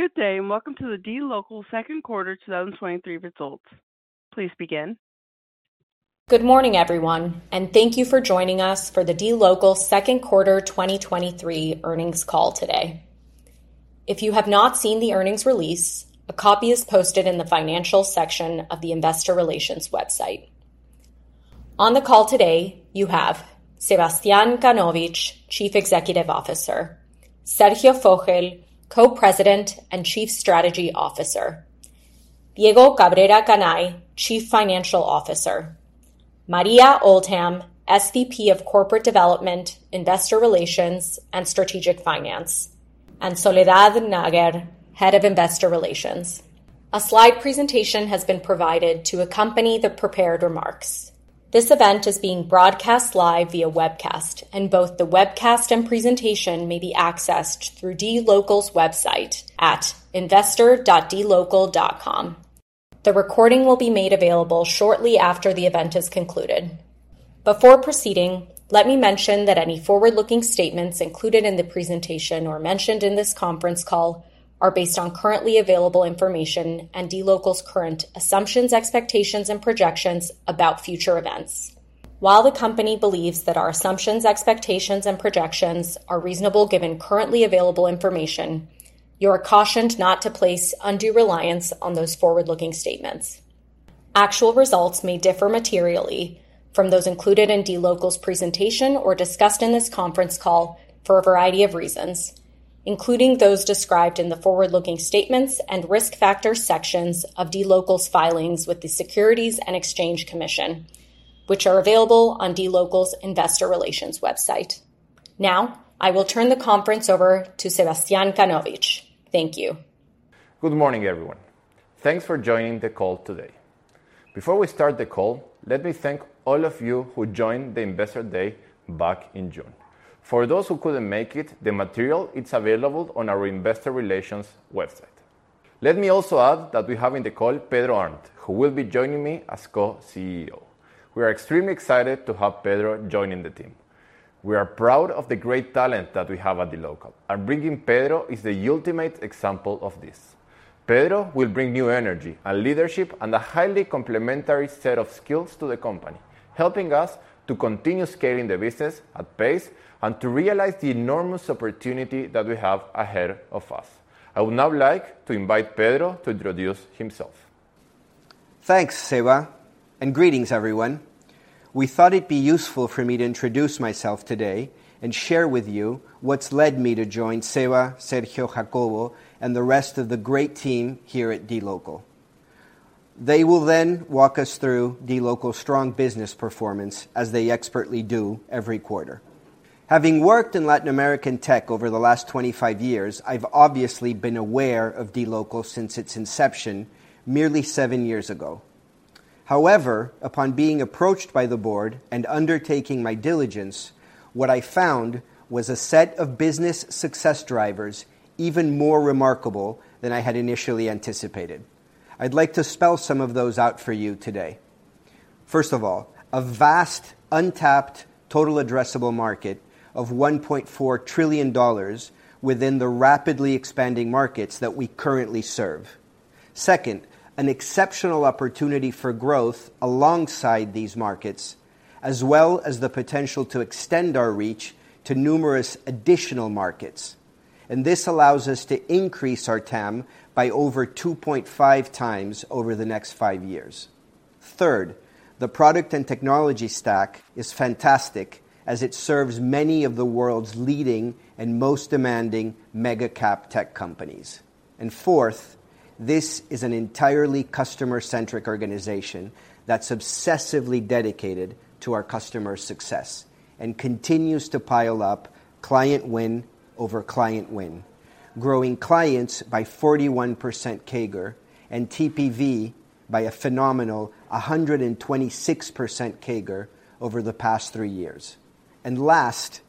Good day, welcome to the DLocal Q2 2023 results. Please begin. Good morning, everyone, and thank you for joining us for the DLocal Q2 2023 earnings call today. If you have not seen the earnings release, a copy is posted in the financial section of the Investor Relations website. On the call today, you have Sebastián Kanovich, Chief Executive Officer; Sergio Fogel, Co-President and Chief Strategy Officer; Diego Cabrera Canay, Chief Financial Officer; Maria Oldham, SVP of Corporate Development, Investor Relations, and Strategic Finance; and Soledad Nager, Head of Investor Relations. A slide presentation has been provided to accompany the prepared remarks. This event is being broadcast live via webcast, and both the webcast and presentation may be accessed through DLocal's website at investor.dlocal.com. The recording will be made available shortly after the event is concluded. Before proceeding, let me mention that any forward-looking statements included in the presentation or mentioned in this conference call are based on currently available information and DLocal's current assumptions, expectations, and projections about future events. While the company believes that our assumptions, expectations, and projections are reasonable given currently available information, you are cautioned not to place undue reliance on those forward-looking statements. Actual results may differ materially from those included in DLocal's presentation or discussed in this conference call for a variety of reasons, including those described in the forward-looking statements and risk factors sections of DLocal's filings with the Securities and Exchange Commission, which are available on DLocal's investor relations website. Now, I will turn the conference over to Sebastián Kanovich. Thank you. Good morning, everyone. Thanks for joining the call today. Before we start the call, let me thank all of you who joined the Investor Day back in June. For those who couldn't make it, the material is available on our Investor Relations website. Let me also add that we have in the call Pedro Arnt, who will be joining me as co-CEO. We are extremely excited to have Pedro joining the team. We are proud of the great talent that we have at DLocal. Bringing Pedro is the ultimate example of this. Pedro will bring new energy and leadership and a highly complementary set of skills to the company, helping us to continue scaling the business at pace and to realize the enormous opportunity that we have ahead of us. I would now like to invite Pedro to introduce himself. Thanks, Seba, greetings, everyone. We thought it'd be useful for me to introduce myself today and share with you what's led me to join Seba, Sergio, Jacobo, and the rest of the great team here at DLocal. They will walk us through DLocal's strong business performance, as they expertly do every quarter. Having worked in Latin American tech over the last 25 years, I've obviously been aware of DLocal since its inception merely 7 years ago. Upon being approached by the board and undertaking my diligence, what I found was a set of business success drivers even more remarkable than I had initially anticipated. I'd like to spell some of those out for you today. First of all, a vast, untapped, total addressable market of $1.4 trillion within the rapidly expanding markets that we currently serve. Second, an exceptional opportunity for growth alongside these markets, as well as the potential to extend our reach to numerous additional markets. This allows us to increase our TAM by over 2.5 times over the next 5 years. Third, the product and technology stack is fantastic as it serves many of the world's leading and most demanding mega-cap tech companies. Fourth, this is an entirely customer-centric organization that's obsessively dedicated to our customers' success and continues to pile up client win over client win, growing clients by 41% CAGR and TPV by a phenomenal 126% CAGR over the past 3 years. Last,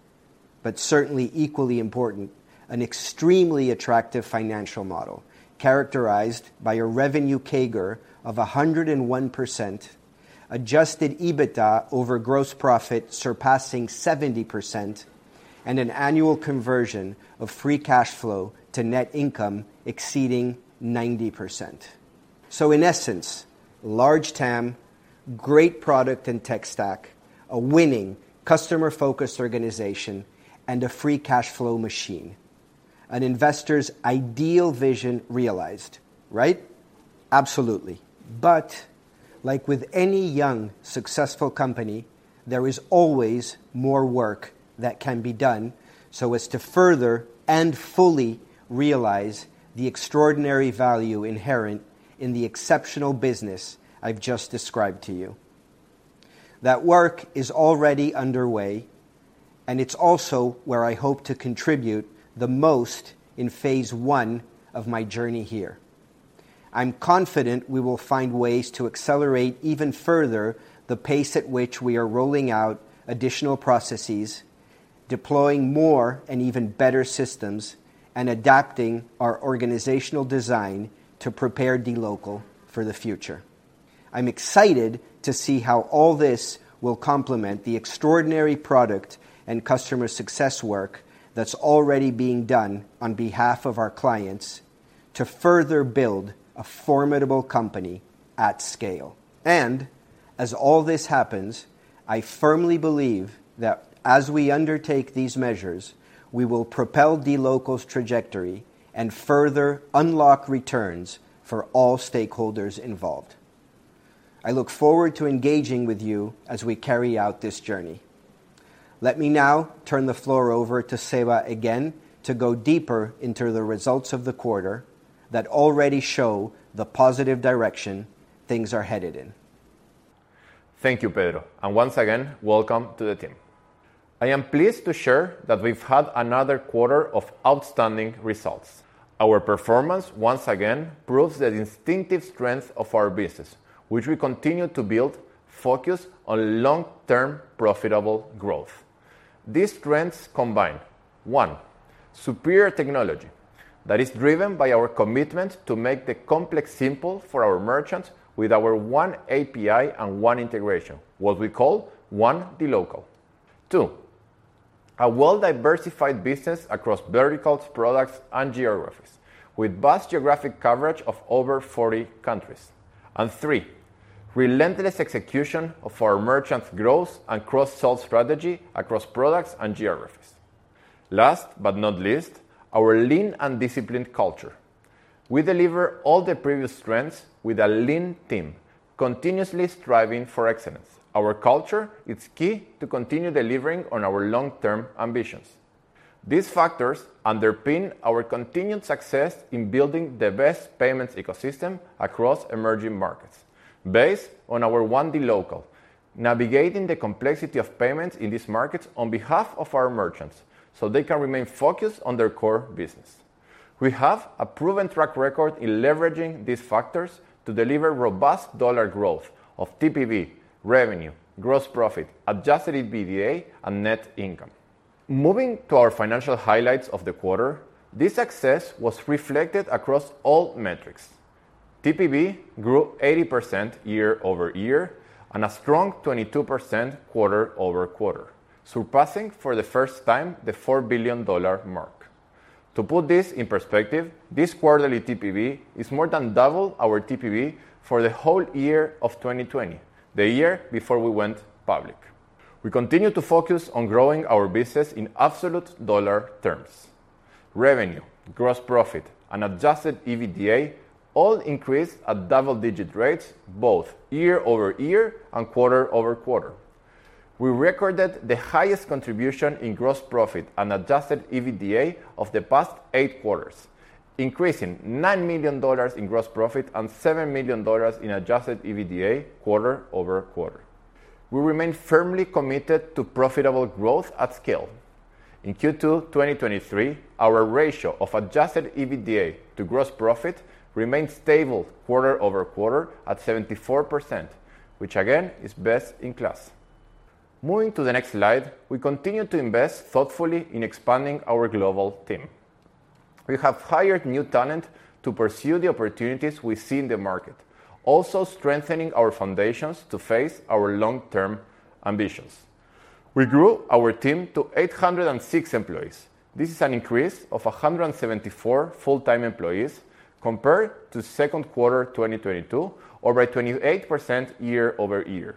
but certainly equally important, an extremely attractive financial model characterized by a revenue CAGR of 101%, adjusted EBITDA over gross profit surpassing 70%, and an annual conversion of free cash flow to net income exceeding 90%. In essence, large TAM, great product and tech stack, a winning customer-focused organization, and a free cash flow machine. An investor's ideal vision realized, right? Absolutely. Like with any young, successful company, there is always more work that can be done so as to further and fully realize the extraordinary value inherent in the exceptional business I've just described to you. That work is already underway, and it's also where I hope to contribute the most in phase 1 of my journey here. I'm confident we will find ways to accelerate even further the pace at which we are rolling out additional processes, deploying more and even better systems, and adapting our organizational design to prepare DLocal for the future. I'm excited to see how all this will complement the extraordinary product and customer success work that's already being done on behalf of our clients to further build a formidable company at scale. As all this happens, I firmly believe that as we undertake these measures, we will propel dLocal's trajectory and further unlock returns for all stakeholders involved. I look forward to engaging with you as we carry out this journey. Let me now turn the floor over to Seba again, to go deeper into the results of the quarter that already show the positive direction things are headed in. Thank you, Pedro, and once again, welcome to the team. I am pleased to share that we've had another quarter of outstanding results. Our performance once again proves the distinctive strength of our business, which we continue to build, focused on long-term, profitable growth. These strengths combine, 1, superior technology that is driven by our commitment to make the complex simple for our merchants, with our one API and one integration, what we call One dLocal. 2, a well-diversified business across verticals, products, and geographies, with vast geographic coverage of over 40 countries. 3, relentless execution of our merchants growth and cross-sell strategy across products and geographies. Last but not least, our lean and disciplined culture. We deliver all the previous strengths with a lean team, continuously striving for excellence. Our culture is key to continue delivering on our long-term ambitions. These factors underpin our continued success in building the best payments ecosystem across emerging markets, based on our One dLocal, navigating the complexity of payments in these markets on behalf of our merchants, so they can remain focused on their core business. We have a proven track record in leveraging these factors to deliver robust dollar growth of TPV, revenue, gross profit, adjusted EBITDA, and net income. To our financial highlights of the quarter, this success was reflected across all metrics. TPV grew 80% year-over-year and a strong 22% quarter-over-quarter, surpassing for the first time the $4 billion mark. To put this in perspective, this quarterly TPV is more than double our TPV for the whole year of 2020, the year before we went public. We continue to focus on growing our business in absolute dollar terms. Revenue, gross profit, and adjusted EBITDA all increased at double-digit rates, both year-over-year and quarter-over-quarter. We recorded the highest contribution in gross profit and adjusted EBITDA of the past 8 quarters, increasing $9 million in gross profit and $7 million in Adjusted EBITDA quarter-over-quarter. We remain firmly committed to profitable growth at scale. In Q2 2023, our ratio of Adjusted EBITDA to gross profit remained stable quarter-over-quarter at 74%, which again, is best in class. Moving to the next slide, we continue to invest thoughtfully in expanding our global team. We have hired new talent to pursue the opportunities we see in the market, also strengthening our foundations to face our long-term ambitions. We grew our team to 806 employees. This is an increase of 174 full-time employees compared to Q2 2022, or by 28% year-over-year.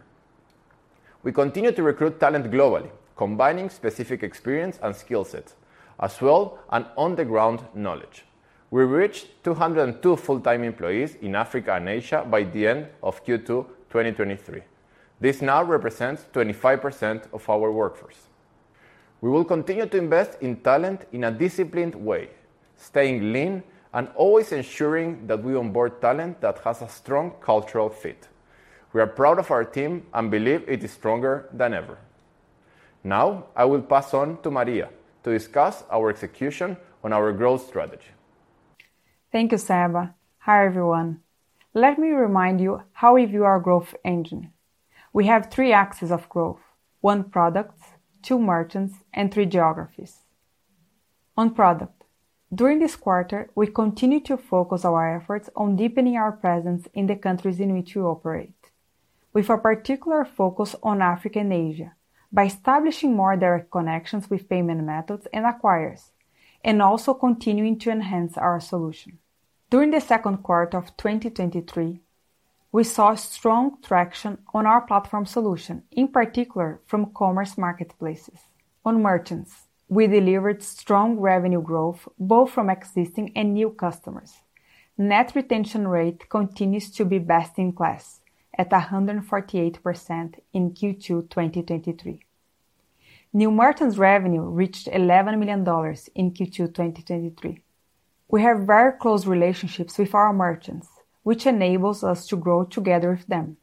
We continue to recruit talent globally, combining specific experience and skill sets, as well, and on-the-ground knowledge. We reached 202 full-time employees in Africa and Asia by the end of Q2 2023. This now represents 25% of our workforce. We will continue to invest in talent in a disciplined way, staying lean and always ensuring that we onboard talent that has a strong cultural fit. We are proud of our team and believe it is stronger than ever. Now, I will pass on to Maria to discuss our execution on our growth strategy. Thank you, Seba. Hi, everyone. Let me remind you how we view our growth engine. We have 3 axes of growth: 1, products; 2, merchants; and 3, geographies. On product, during this quarter, we continued to focus our efforts on deepening our presence in the countries in which we operate, with a particular focus on Africa and Asia, by establishing more direct connections with payment methods and acquires, and also continuing to enhance our solution. During the Q2 of 2023, we saw strong traction on our platform solution, in particular from commerce marketplaces. On merchants, we delivered strong revenue growth, both from existing and new customers. Net retention rate continues to be best in class at 148% in Q2 2023. New merchants' revenue reached $11 million in Q2 2023. We have very close relationships with our merchants, which enables us to grow together with them.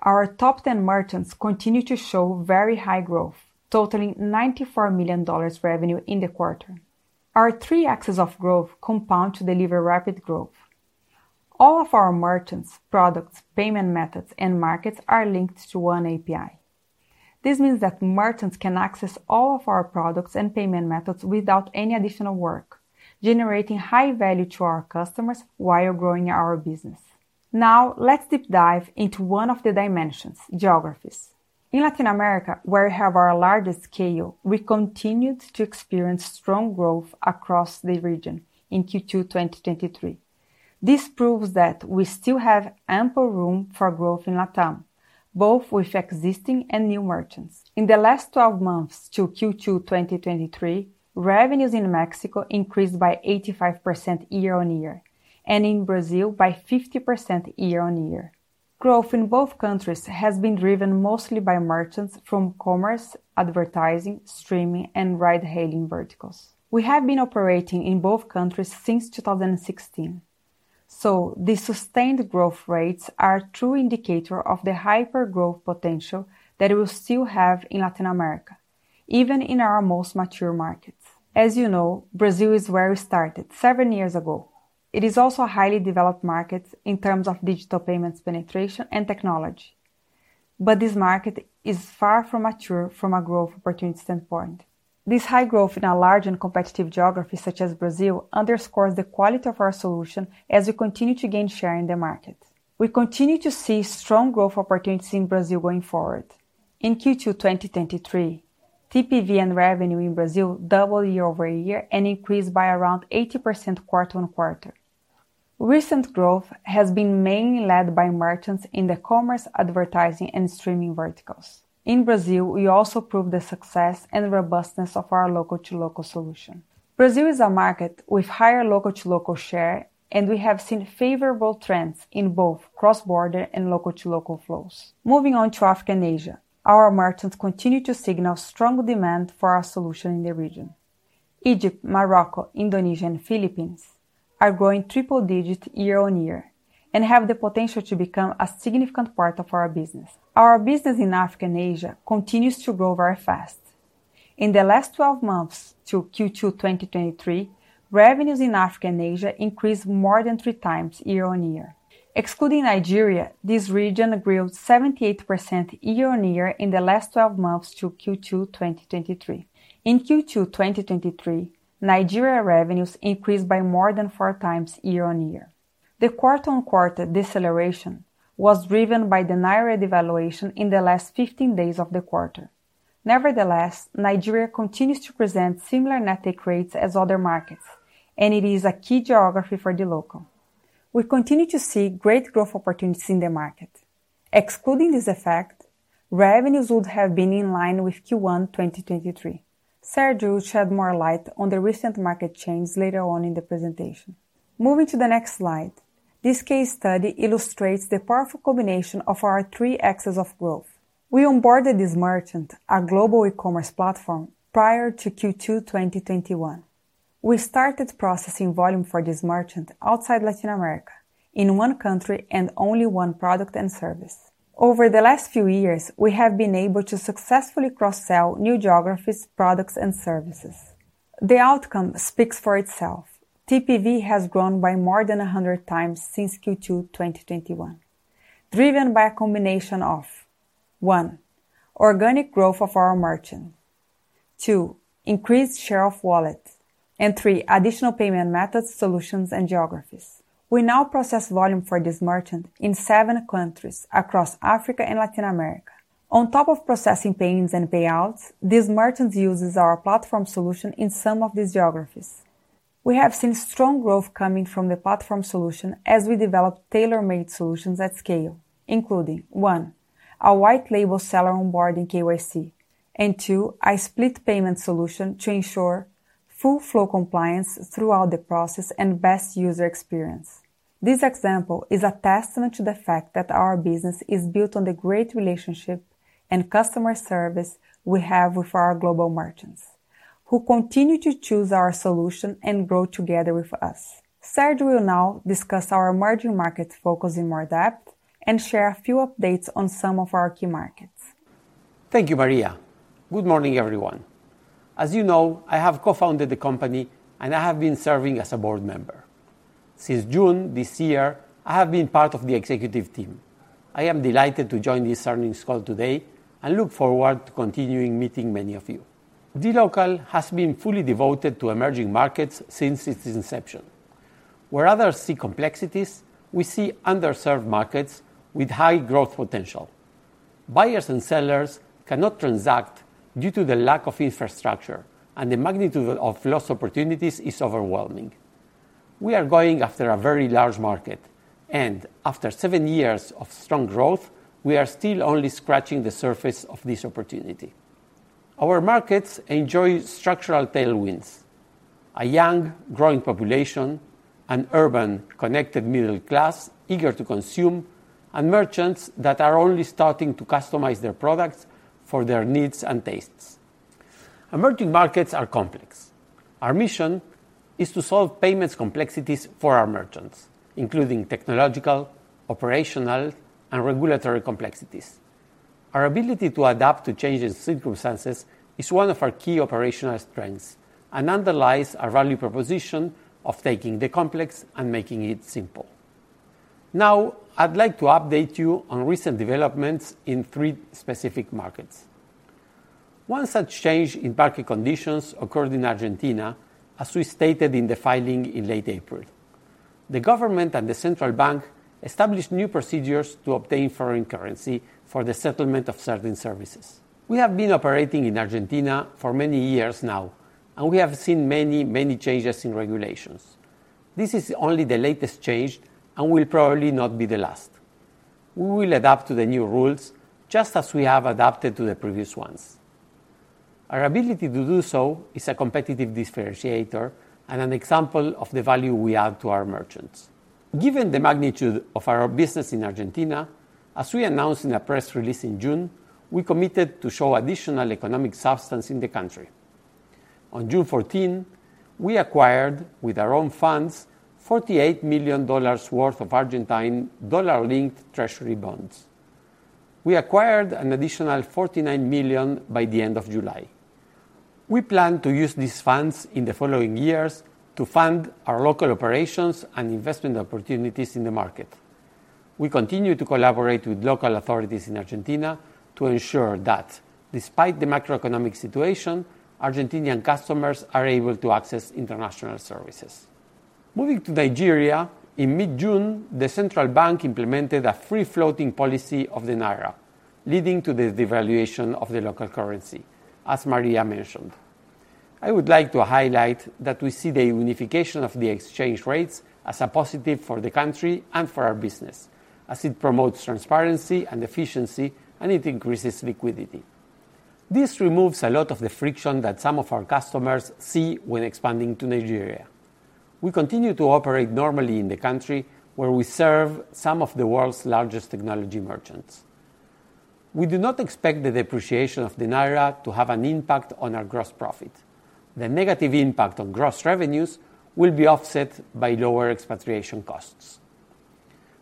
Our top 10 merchants continue to show very high growth, totaling $94 million revenue in the quarter. Our three axes of growth compound to deliver rapid growth. All of our merchants, products, payment methods, and markets are linked to one API.... This means that merchants can access all of our products and payment methods without any additional work, generating high value to our customers while growing our business. Now, let's deep dive into one of the dimensions: geographies. In Latin America, where we have our largest scale, we continued to experience strong growth across the region in Q2 2023. This proves that we still have ample room for growth in LatAm, both with existing and new merchants. In the last 12 months to Q2 2023, revenues in Mexico increased by 85% year-on-year, and in Brazil by 50% year-on-year. Growth in both countries has been driven mostly by merchants from commerce, advertising, streaming, and ride-hailing verticals. We have been operating in both countries since 2016, so the sustained growth rates are a true indicator of the hyper-growth potential that we still have in Latin America, even in our most mature markets. As you know, Brazil is where we started seven years ago. It is also a highly developed market in terms of digital payments penetration and technology, but this market is far from mature from a growth opportunity standpoint. This high growth in a large and competitive geography such as Brazil underscores the quality of our solution as we continue to gain share in the market. We continue to see strong growth opportunities in Brazil going forward. In Q2 2023, TPV and revenue in Brazil doubled year-over-year and increased by around 80% quarter-on-quarter. Recent growth has been mainly led by merchants in the commerce, advertising, and streaming verticals. In Brazil, we also proved the success and robustness of our local-to-local solution. Brazil is a market with higher local-to-local share, and we have seen favorable trends in both cross-border and local-to-local flows. Moving on to Africa and Asia, our merchants continue to signal strong demand for our solution in the region. Egypt, Morocco, Indonesia, and Philippines are growing triple digit year-on-year and have the potential to become a significant part of our business. Our business in Africa and Asia continues to grow very fast. In the last 12 months to Q2 2023, revenues in Africa and Asia increased more than three times year-on-year. Excluding Nigeria, this region grew 78% year-on-year in the last 12 months to Q2 2023. In Q2 2023, Nigeria revenues increased by more than 4 times year-on-year. The quarter-on-quarter deceleration was driven by the naira devaluation in the last 15 days of the quarter. Nevertheless, Nigeria continues to present similar net take rates as other markets, and it is a key geography for DLocal. We continue to see great growth opportunities in the market. Excluding this effect, revenues would have been in line with Q1 2023. Sergio will shed more light on the recent market changes later on in the presentation. Moving to the next slide, this case study illustrates the powerful combination of our three axes of growth. We onboarded this merchant, a global e-commerce platform, prior to Q2 2021. We started processing volume for this merchant outside Latin America in 1 country and only 1 product and service. Over the last few years, we have been able to successfully cross-sell new geographies, products, and services. The outcome speaks for itself. TPV has grown by more than 100 times since Q2 2021, driven by a combination of, 1, organic growth of our merchant; 2, increased share of wallet; and 3, additional payment methods, solutions, and geographies. We now process volume for this merchant in 7 countries across Africa and Latin America. On top of processing payments and payouts, this merchant uses our platform solution in some of these geographies. We have seen strong growth coming from the platform solution as we develop tailor-made solutions at scale, including, 1, a white-label seller onboarding KYC, and 2, a split payment solution to ensure full flow compliance throughout the process and best user experience. This example is a testament to the fact that our business is built on the great relationship and customer service we have with our global merchants, who continue to choose our solution and grow together with us. Sergio will now discuss our emerging market focus in more depth and share a few updates on some of our key markets. Thank you, Maria. Good morning, everyone. As you know, I have co-founded the company. I have been serving as a board member. Since June this year, I have been part of the executive team. I am delighted to join this earnings call today and look forward to continuing meeting many of you. DLocal has been fully devoted to emerging markets since its inception. Where others see complexities, we see underserved markets with high growth potential. Buyers and sellers cannot transact due to the lack of infrastructure. The magnitude of lost opportunities is overwhelming. We are going after a very large market. After seven years of strong growth, we are still only scratching the surface of this opportunity. Our markets enjoy structural tailwinds: a young, growing population, an urban, connected middle class eager to consume, and merchants that are only starting to customize their products for their needs and tastes. Emerging markets are complex. Our mission is to solve payments complexities for our merchants, including technological, operational, and regulatory complexities. Our ability to adapt to changes in circumstances is one of our key operational strengths and underlies our value proposition of taking the complex and making it simple. Now, I'd like to update you on recent developments in three specific markets. One such change in market conditions occurred in Argentina, as we stated in the filing in late April. The government and the central bank established new procedures to obtain foreign currency for the settlement of certain services. We have been operating in Argentina for many years now. We have seen many, many changes in regulations. This is only the latest change and will probably not be the last. We will adapt to the new rules, just as we have adapted to the previous ones. Our ability to do so is a competitive differentiator and an example of the value we add to our merchants. Given the magnitude of our business in Argentina, as we announced in a press release in June, we committed to show additional economic substance in the country. On June 14, we acquired, with our own funds, $48 million worth of Argentine dollar-linked treasury bonds. We acquired an additional $49 million by the end of July. We plan to use these funds in the following years to fund our local operations and investment opportunities in the market. We continue to collaborate with local authorities in Argentina to ensure that despite the macroeconomic situation, Argentinian customers are able to access international services. Moving to Nigeria, in mid-June, the central bank implemented a free-floating policy of the naira, leading to the devaluation of the local currency, as Maria mentioned. I would like to highlight that we see the unification of the exchange rates as a positive for the country and for our business, as it promotes transparency and efficiency, and it increases liquidity. This removes a lot of the friction that some of our customers see when expanding to Nigeria. We continue to operate normally in the country, where we serve some of the world's largest technology merchants. We do not expect the depreciation of the naira to have an impact on our gross profit. The negative impact on gross revenues will be offset by lower expatriation costs.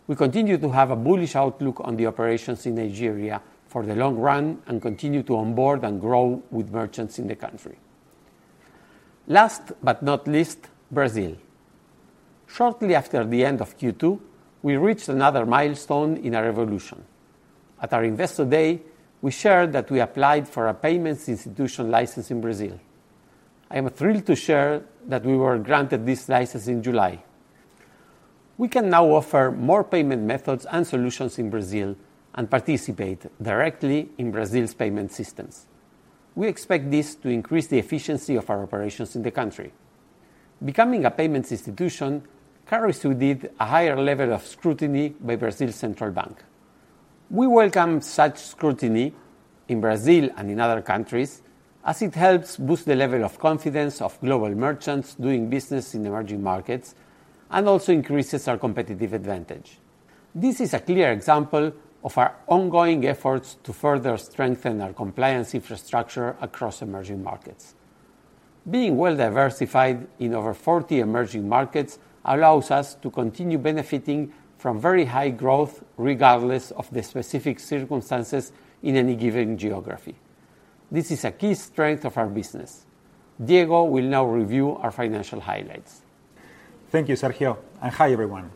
We continue to have a bullish outlook on the operations in Nigeria for the long run and continue to onboard and grow with merchants in the country. Last but not least, Brazil. Shortly after the end of Q2, we reached another milestone in our evolution. At our Investor Day, we shared that we applied for a payment institution license in Brazil. I am thrilled to share that we were granted this license in July. We can now offer more payment methods and solutions in Brazil and participate directly in Brazil's payment systems. We expect this to increase the efficiency of our operations in the country. Becoming a payments institution carries with it a higher level of scrutiny by Brazil's central bank. We welcome such scrutiny in Brazil and in other countries, as it helps boost the level of confidence of global merchants doing business in emerging markets and also increases our competitive advantage. This is a clear example of our ongoing efforts to further strengthen our compliance infrastructure across emerging markets. Being well diversified in over 40 emerging markets allows us to continue benefiting from very high growth, regardless of the specific circumstances in any given geography. This is a key strength of our business. Diego will now review our financial highlights. Thank you, Sergio, and hi, everyone.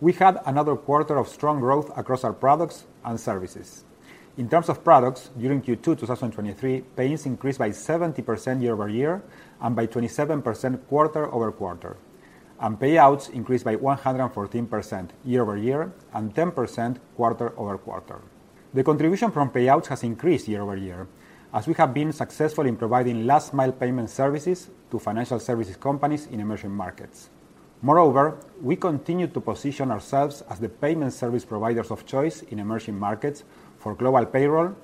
We had another quarter of strong growth across our products and services. In terms of products, during Q2 2023, payments increased by 70% year-over-year and by 27% quarter-over-quarter, and payouts increased by 114% year-over-year and 10% quarter-over-quarter. The contribution from payouts has increased year-over-year, as we have been successful in providing last-mile payment services to financial services companies in emerging markets. Moreover, we continue to position ourselves as the payment service providers of choice in emerging markets for global payroll,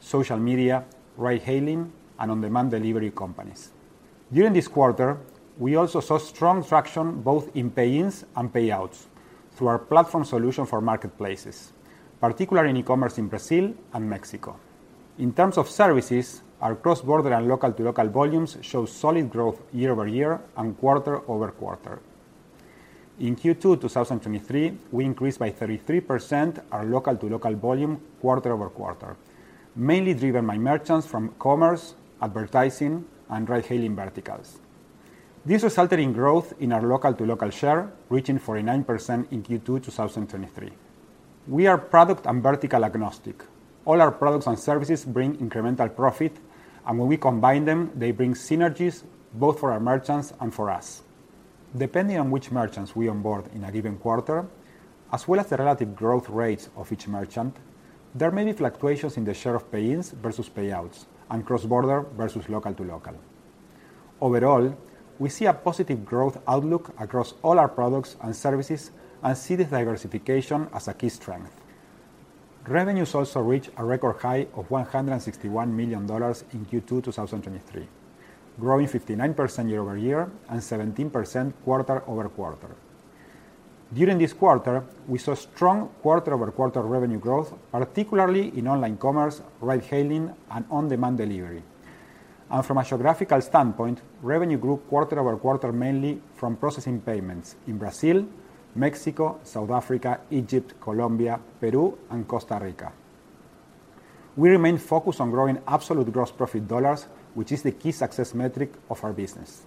social media, ride-hailing, and on-demand delivery companies. During this quarter, we also saw strong traction, both in pay-ins and payouts, through our platform solution for marketplaces, particularly in e-commerce in Brazil and Mexico. In terms of services, our cross-border and local-to-local volumes show solid growth year-over-year and quarter-over-quarter. In Q2 2023, we increased by 33% our local-to-local volume quarter-over-quarter, mainly driven by merchants from commerce, advertising, and ride-hailing verticals. This resulted in growth in our local-to-local share, reaching 49% in Q2 2023. We are product and vertical agnostic. All our products and services bring incremental profit, and when we combine them, they bring synergies both for our merchants and for us. Depending on which merchants we onboard in a given quarter, as well as the relative growth rates of each merchant, there may be fluctuations in the share of pay-ins versus payouts and cross-border versus local-to-local. Overall, we see a positive growth outlook across all our products and services and see this diversification as a key strength. Revenues also reached a record high of $161 million in Q2 2023, growing 59% year-over-year and 17% quarter-over-quarter. During this quarter, we saw strong quarter-over-quarter revenue growth, particularly in online commerce, ride hailing, and on-demand delivery. From a geographical standpoint, revenue grew quarter-over-quarter, mainly from processing payments in Brazil, Mexico, South Africa, Egypt, Colombia, Peru, and Costa Rica. We remain focused on growing absolute gross profit dollars, which is the key success metric of our business.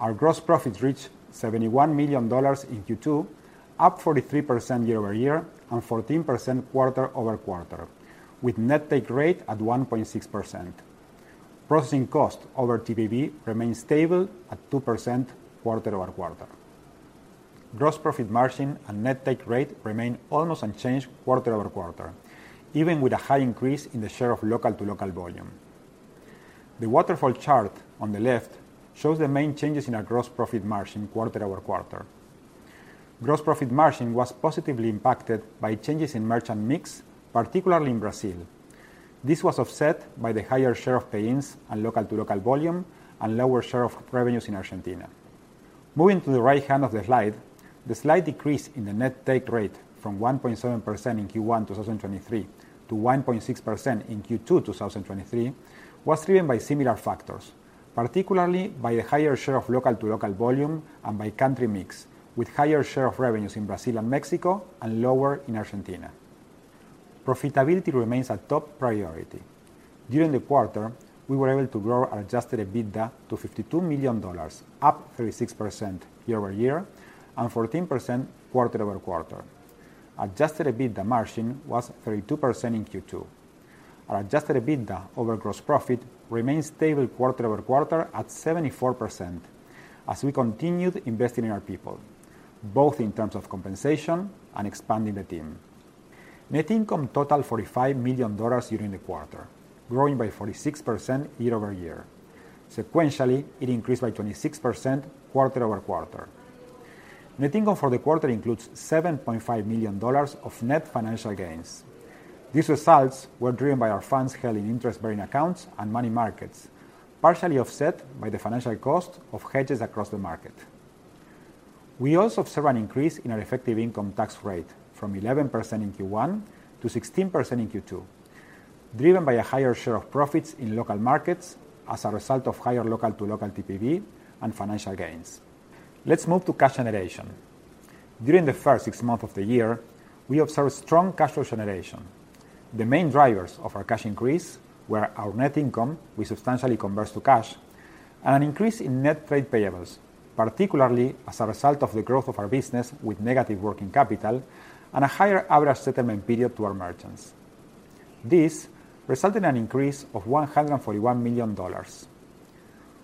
Our gross profits reached $71 million in Q2, up 43% year-over-year and 14% quarter-over-quarter, with net take rate at 1.6%. Processing cost over TPV remains stable at 2% quarter-over-quarter. Gross profit margin and net take rate remain almost unchanged quarter-over-quarter, even with a high increase in the share of local-to-local volume. The waterfall chart on the left shows the main changes in our gross profit margin quarter-over-quarter. Gross profit margin was positively impacted by changes in merchant mix, particularly in Brazil. This was offset by the higher share of pay-ins and local-to-local volume and lower share of revenues in Argentina. Moving to the right hand of the slide, the slight decrease in the net take rate from 1.7% in Q1 2023 to 1.6% in Q2 2023 was driven by similar factors, particularly by the higher share of local-to-local volume and by country mix, with higher share of revenues in Brazil and Mexico and lower in Argentina. Profitability remains a top priority. During the quarter, we were able to grow our adjusted EBITDA to $52 million, up 36% year-over-year and 14% quarter-over-quarter. Adjusted EBITDA margin was 32% in Q2. Our adjusted EBITDA over gross profit remained stable quarter-over-quarter at 74% as we continued investing in our people, both in terms of compensation and expanding the team. Net income totaled $45 million during the quarter, growing by 46% year-over-year. Sequentially, it increased by 26% quarter-over-quarter. Net income for the quarter includes $7.5 million of net financial gains. These results were driven by our funds held in interest-bearing accounts and money markets, partially offset by the financial cost of hedges across the market. We also observed an increase in our effective income tax rate from 11% in Q1 to 16% in Q2, driven by a higher share of profits in local markets as a result of higher local-to-local TPV and financial gains. Let's move to cash generation. During the first 6 months of the year, we observed strong cash flow generation. The main drivers of our cash increase were our net income, we substantially converted to cash, and an increase in net trade payables, particularly as a result of the growth of our business with negative working capital and a higher average settlement period to our merchants. This resulted in an increase of $141 million.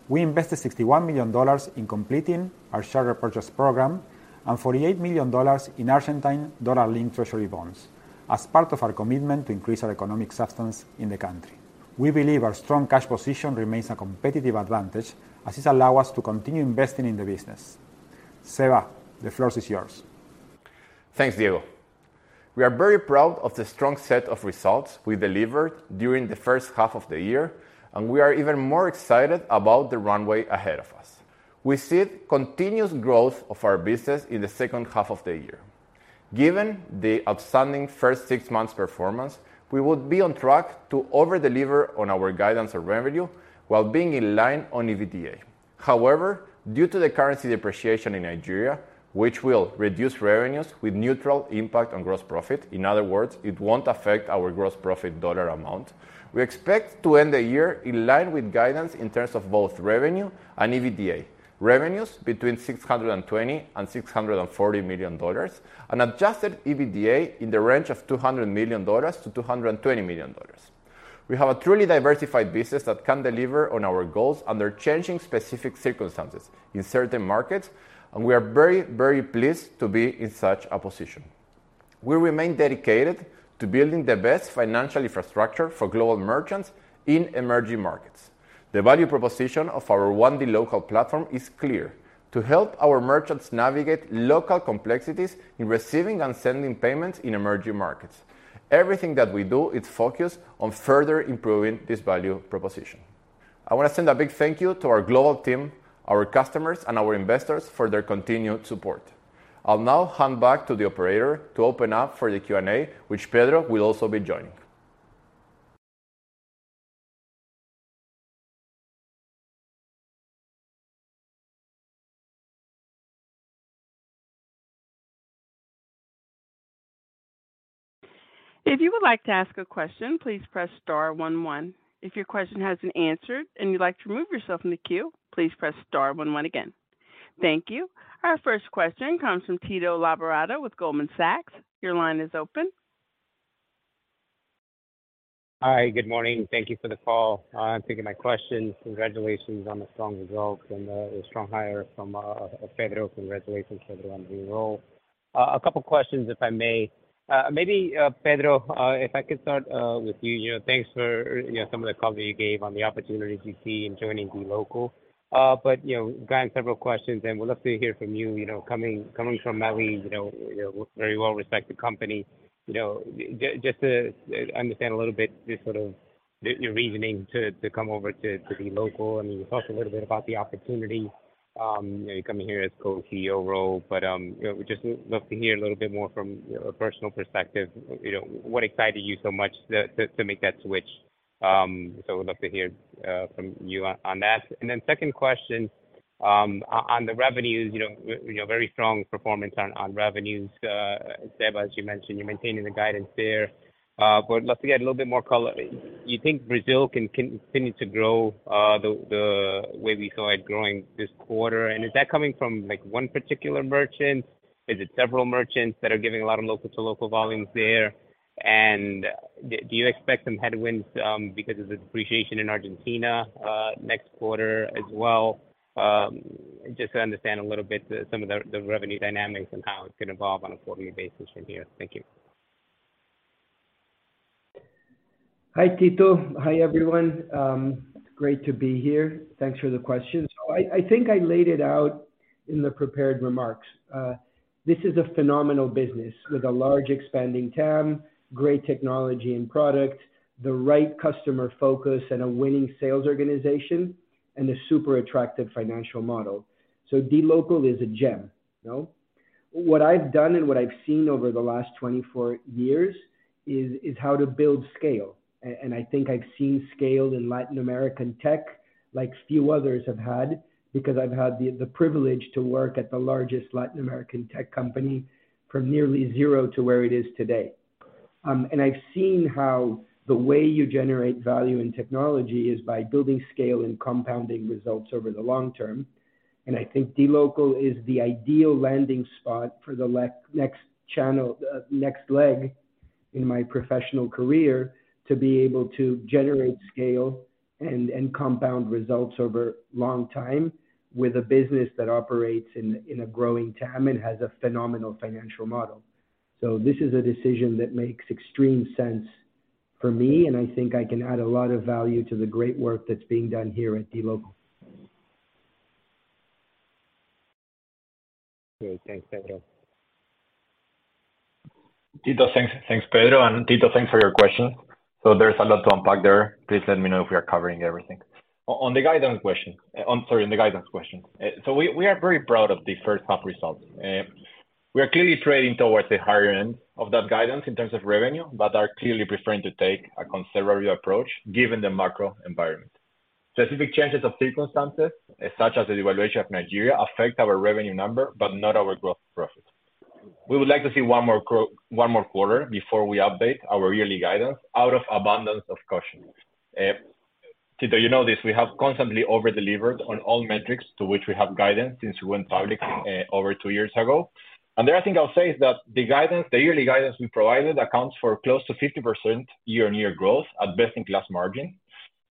We invested $61 million in completing our share repurchase program and $48 million in Argentine dollar-linked treasury bonds as part of our commitment to increase our economic substance in the country. We believe our strong cash position remains a competitive advantage as this allow us to continue investing in the business. Seba, the floor is yours. Thanks, Diego. We are very proud of the strong set of results we delivered during the first half of the year, and we are even more excited about the runway ahead of us. We see continuous growth of our business in the second half of the year. Given the outstanding first six months performance, we would be on track to over-deliver on our guidance of revenue while being in line on EBITDA. However, due to the currency depreciation in Nigeria, which will reduce revenues with neutral impact on gross profit, in other words, it won't affect our gross profit dollar amount, we expect to end the year in line with guidance in terms of both revenue and EBITDA. Revenues between $620 million and $640 million, and adjusted EBITDA in the range of $200 million-$220 million. We have a truly diversified business that can deliver on our goals under changing specific circumstances in certain markets, and we are very, very pleased to be in such a position. We remain dedicated to building the best financial infrastructure for global merchants in emerging markets. The value proposition of our One dLocal platform is clear: to help our merchants navigate local complexities in receiving and sending payments in emerging markets. Everything that we do is focused on further improving this value proposition. I want to send a big thank you to our global team, our customers, and our investors for their continued support. I'll now hand back to the operator to open up for the Q&A, which Pedro will also be joining. If you would like to ask a question, please press star one, one. If your question has been answered and you'd like to remove yourself from the queue, please press star one one again. Thank you. Our first question comes from Tito Labarta with Goldman Sachs. Your line is open. Hi, good morning. Thank you for the call. Taking my questions. Congratulations on the strong results and the strong hire from Pedro. Congratulations, Pedro, on the new role. A couple questions, if I may. Maybe Pedro, if I could start with you. You know, thanks for, you know, some of the color you gave on the opportunities you see in joining DLocal. You know, granted several questions, and we'd love to hear from you, you know, coming, coming from Mercado Libre, you know, a very well-respected company. You know, just to understand a little bit, just sort of your reasoning to, to come over to, to DLocal, and talk a little bit about the opportunity, you coming here as co-CEO role. You know, we'd just love to hear a little bit more from a personal perspective, you know, what excited you so much to, to, to make that switch? We'd love to hear from you on that. Second question... On the revenues, you know, very strong performance on revenues. Deb, as you mentioned, you're maintaining the guidance there. Let's get a little bit more color. You think Brazil can continue to grow the way we saw it growing this quarter? Is that coming from, like, one particular merchant? Is it several merchants that are giving a lot of local to local volumes there? Do you expect some headwinds because of the depreciation in Argentina next quarter as well? Just to understand a little bit some of the, the revenue dynamics and how it's going to evolve on a quarter year basis from here. Thank you. Hi, Tito. Hi, everyone. Great to be here. Thanks for the question. I, I think I laid it out in the prepared remarks. This is a phenomenal business with a large expanding TAM, great technology and product, the right customer focus and a winning sales organization, and a super attractive financial model. DLocal is a gem, you know? What I've done and what I've seen over the last 24 years is, is how to build scale. I, I think I've seen scale in Latin American tech like few others have had, because I've had the, the privilege to work at the largest Latin American tech company from nearly zero to where it is today. I've seen how the way you generate value in technology is by building scale and compounding results over the long term. I think DLocal is the ideal landing spot for the next channel, next leg in my professional career to be able to generate scale and, and compound results over long time with a business that operates in, in a growing TAM and has a phenomenal financial model. This is a decision that makes extreme sense for me, and I think I can add a lot of value to the great work that's being done here at DLocal. Great. Thanks, Pedro. Tito, thanks. Thanks, Pedro. Tito, thanks for your question. There's a lot to unpack there. Please let me know if we are covering everything. On the guidance question, I'm sorry, on the guidance question. We, we are very proud of the first half results. We are clearly trading towards the higher end of that guidance in terms of revenue, but are clearly preferring to take a conservative approach, given the macro environment. Specific changes of circumstances, such as the devaluation of Nigeria, affect our revenue number, but not our gross profit. We would like to see one more quarter before we update our yearly guidance out of abundance of caution. Tito, you know this, we have constantly over-delivered on all metrics to which we have guidance since we went public, over two years ago. The other thing I'll say is that the guidance, the yearly guidance we provided accounts for close to 50% year-on-year growth at best-in-class margin.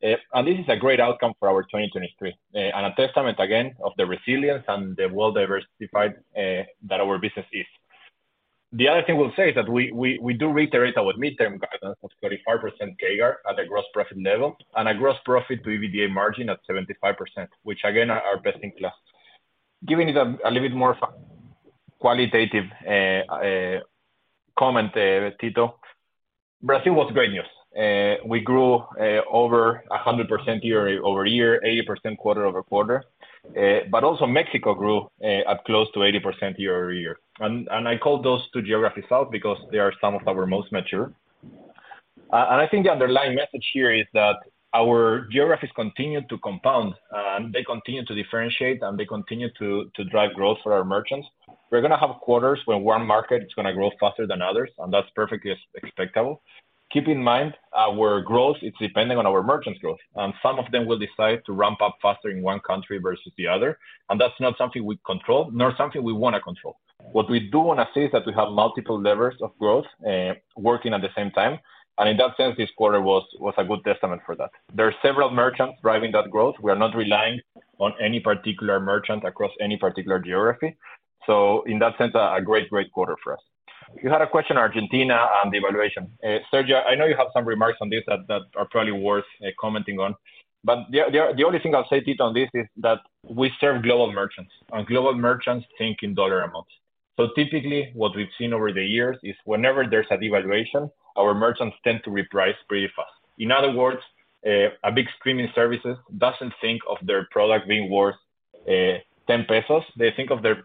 This is a great outcome for our 2023 and a testament, again, of the resilience and the well-diversified that our business is. The other thing we'll say is that we do reiterate our midterm guidance of 35% CAGR at a gross profit level and a gross profit to EBITDA margin at 75%, which again, are best in class. Giving it a little bit more qualitative comment, Tito, Brazil was great news. We grew over 100% year-over-year, 80% quarter-over-quarter, also Mexico grew at close to 80% year-over-year. I call those two geographies out because they are some of our most mature. And I think the underlying message here is that our geographies continue to compound, and they continue to differentiate, and they continue to, to drive growth for our merchants. We're going to have quarters when one market is going to grow faster than others, and that's perfectly expectable. Keep in mind, our growth is dependent on our merchants growth, and some of them will decide to ramp up faster in one country versus the other, and that's not something we control, nor something we want to control. What we do want to say is that we have multiple levers of growth working at the same time, and in that sense, this quarter was, was a good testament for that. There are several merchants driving that growth. We are not relying on any particular merchant across any particular geography. In that sense, a great, great quarter for us. You had a question on Argentina and the evaluation. Sergio, I know you have some remarks on this that, that are probably worth commenting on, but the, the, the only thing I'll say, Tito, on this is that we serve global merchants, and global merchants think in dollar amounts. Typically, what we've seen over the years is whenever there's a devaluation, our merchants tend to reprice pretty fast. In other words, a big streaming services doesn't think of their product being worth 10 pesos. They think of their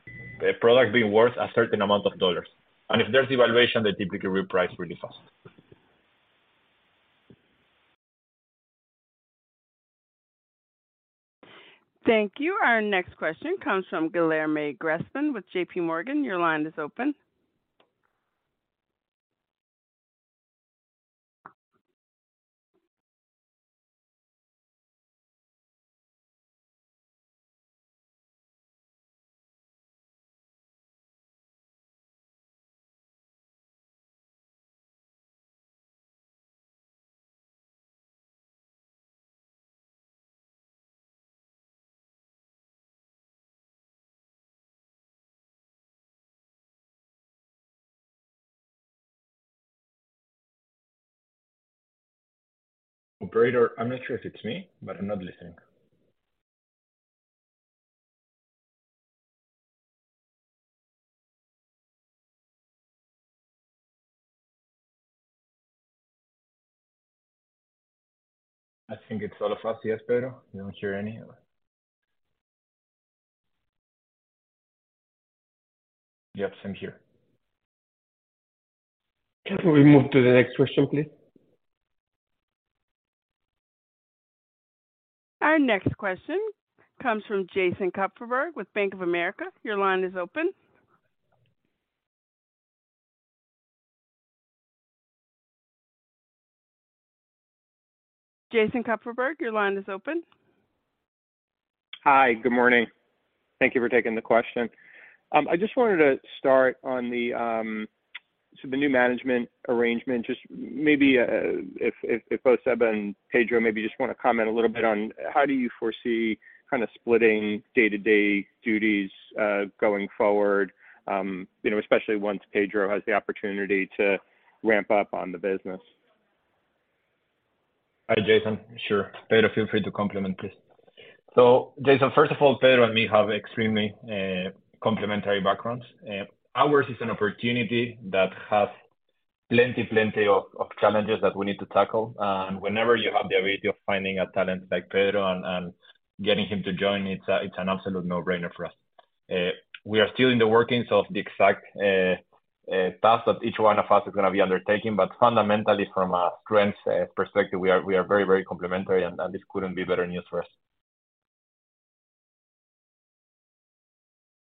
product being worth a certain amount of dollars. If there's devaluation, they typically reprice really fast. Thank you. Our next question comes from Guilherme Grespan with JP Morgan. Your line is open. Operator, I'm not sure if it's me, but I'm not listening. I think it's all across, yes, Pedro? You don't hear any of it? Yep, same here. Can we move to the next question, please? Our next question comes from Jason Kupferberg with Bank of America. Your line is open. Jason Kupferberg, your line is open. Hi, good morning. Thank you for taking the question. I just wanted to start on the, so the new management arrangement, just maybe, if, if, if both Seba and Pedro maybe just want to comment a little bit on how do you foresee kind of splitting day-to-day duties, going forward, you know, especially once Pedro has the opportunity to ramp up on the business? Hi, Jason. Sure. Pedro, feel free to complement, please. Jason, first of all, Pedro and me have extremely complementary backgrounds. Ours is an opportunity that has plenty, plenty of challenges that we need to tackle. Whenever you have the ability of finding a talent like Pedro and getting him to join, it's a, it's an absolute no-brainer for us. We are still in the workings of the exact tasks that each one of us is gonna be undertaking, but fundamentally, from a strength perspective, we are, we are very, very complementary, and, and this couldn't be better news for us.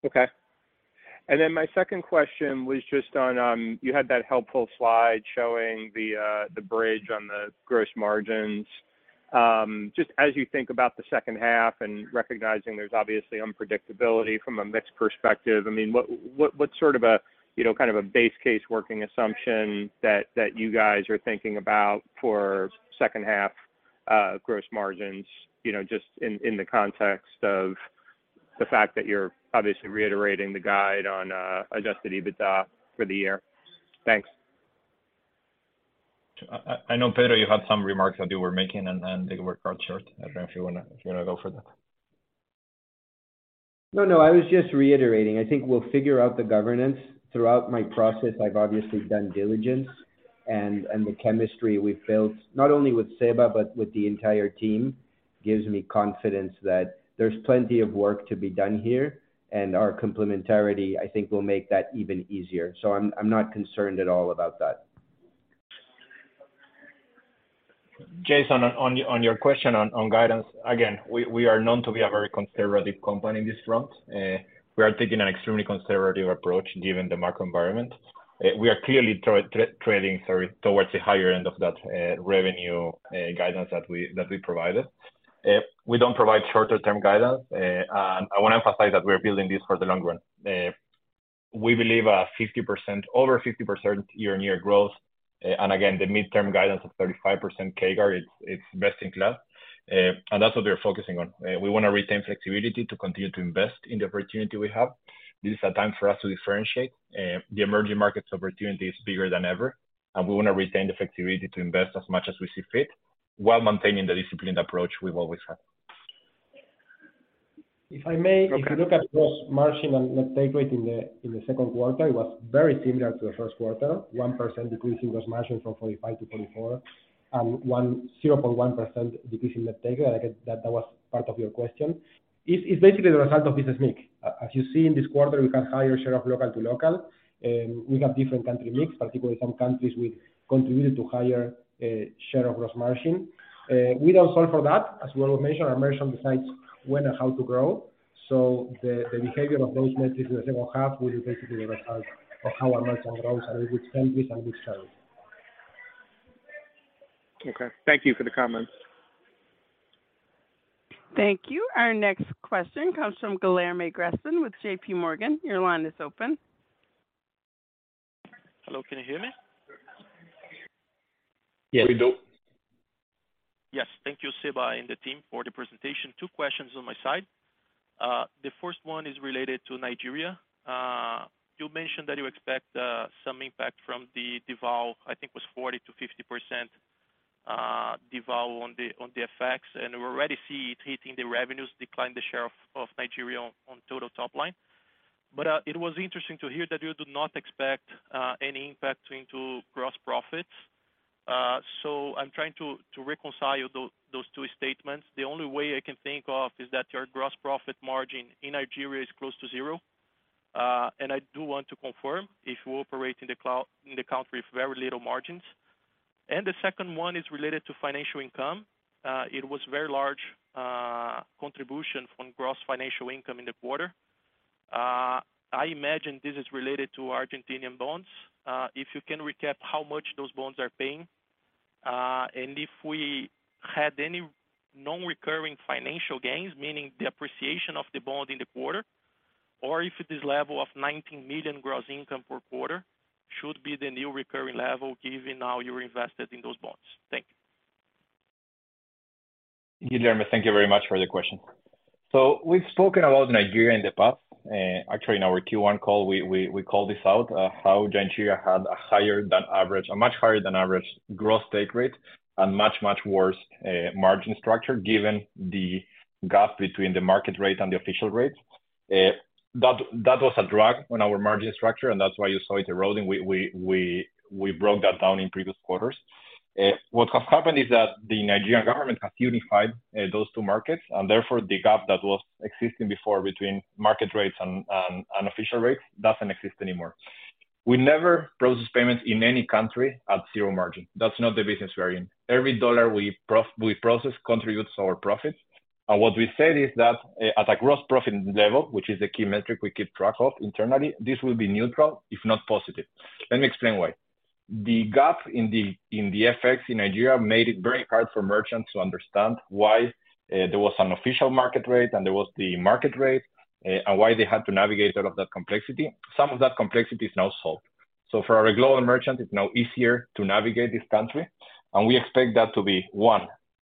Okay. My second question was just on, you had that helpful slide showing the, the bridge on the gross margins. Just as you think about the second half and recognizing there's obviously unpredictability from a mix perspective, I mean, what, what, what sort of a, you know, kind of a base case working assumption that, that you guys are thinking about for second half, gross margins, you know, just in, in the context of the fact that you're obviously reiterating the guide on adjusted EBITDA for the year? Thanks. I know, Pedro, you had some remarks that you were making, and they were cut short. I don't know if you wanna go for that. No, no, I was just reiterating. I think we'll figure out the governance. Throughout my process, I've obviously done diligence, and, and the chemistry we've built, not only with Seba but with the entire team, gives me confidence that there's plenty of work to be done here, and our complementarity, I think, will make that even easier. I'm, I'm not concerned at all about that. Jason, on your question on guidance, again, we are known to be a very conservative company in this front. We are taking an extremely conservative approach given the market environment. We are clearly trading, sorry, towards the higher end of that revenue guidance that we provided. We don't provide shorter term guidance, and I want to emphasize that we're building this for the long run. We believe, 50%, over 50% year-on-year growth, and again, the midterm guidance of 35% CAGR, it's best in class, and that's what we are focusing on. We wanna retain flexibility to continue to invest in the opportunity we have. This is a time for us to differentiate. The emerging markets opportunity is bigger than ever, we wanna retain the flexibility to invest as much as we see fit while maintaining the disciplined approach we've always had. If I may- Okay. If you look at gross margin and net take rate in the second quarter, it was very similar to the first quarter. 1% decrease in gross margin from 45% to 44%, and 0.1% decrease in net take rate. I think that was part of your question. It's basically the result of business mix. As you see in this quarter, we have higher share of local-to-local, we have different country mix, particularly some countries we contributed to higher share of gross margin. We don't solve for that. As Raul mentioned, our merchant decides when and how to grow. The behavior of those metrics in the second half will be basically the result of how our merchant grows and which countries and which channels. Okay. Thank you for the comments. Thank you. Our next question comes from Guilherme Grespan with JP Morgan. Your line is open. Hello, can you hear me? Yes. We do. Yes. Thank you, Seba and the team for the presentation. Two questions on my side. The first one is related to Nigeria. You mentioned that you expect some impact from the devalue. I think it was 40%-50% devalue on the FX, and we already see it hitting the revenues decline, the share of Nigeria on total top line. It was interesting to hear that you do not expect any impact into gross profits. I'm trying to reconcile those two statements. The only way I can think of is that your gross profit margin in Nigeria is close to zero. I do want to confirm if you operate in the country with very little margins. The second one is related to financial income. It was very large contribution from gross financial income in the quarter. I imagine this is related to Argentinian bonds. If you can recap how much those bonds are paying, and if we had any non-recurring financial gains, meaning the appreciation of the bond in the quarter, or if this level of $19 million gross income per quarter should be the new recurring level, given now you're invested in those bonds. Thank you. Guilherme, thank you very much for the question. We've spoken about Nigeria in the past, actually in our Q1 call, we called this out, how Nigeria had a much higher than average gross take rate and much worse margin structure, given the gap between the market rate and the official rate. That was a drag on our margin structure, and that's why you saw it eroding. We broke that down in previous quarters. What has happened is that the Nigerian government has unified those two markets, and therefore the gap that was existing before between market rates and official rates doesn't exist anymore. We never process payments in any country at zero margin. That's not the business we are in. Every dollar we process contributes to our profits. What we said is that, at a gross profit level, which is a key metric we keep track of internally, this will be neutral, if not positive. Let me explain why. The gap in the, in the FX in Nigeria made it very hard for merchants to understand why, there was an official market rate, and there was the market rate, and why they had to navigate out of that complexity. Some of that complexity is now solved. For our global merchant, it's now easier to navigate this country, and we expect that to be, one,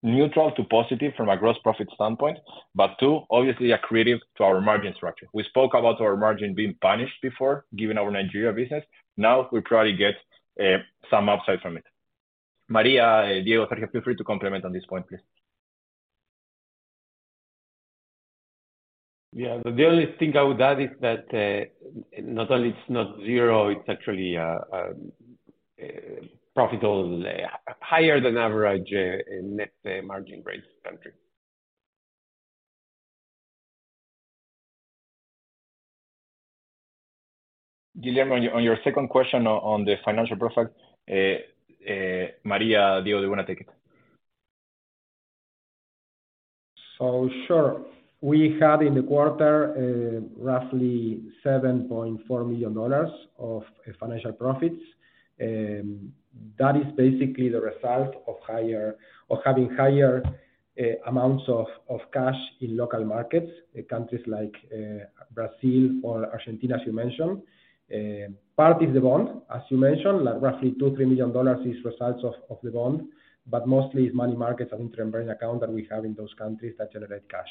neutral to positive from a gross profit standpoint, but two, obviously accretive to our margin structure. We spoke about our margin being punished before, given our Nigeria business. Now we probably get some upside from it. Maria, Diego, Sergio, feel free to complement on this point, please. Yeah. The only thing I would add is that not only it's not zero, it's actually a profitable, higher than average, net margin rate country. Guilherme, on your, on your second question on, on the financial profile, Maria, Diego, do you want to take it? Sure. We had in the quarter, roughly $7.4 million of financial profits. That is basically the result of having higher amounts of cash in local markets, in countries like Brazil or Argentina, as you mentioned. Part is the bond, as you mentioned, like roughly $2 million-$3 million is results of the bond, but mostly it's money markets and temporary account that we have in those countries that generate cash.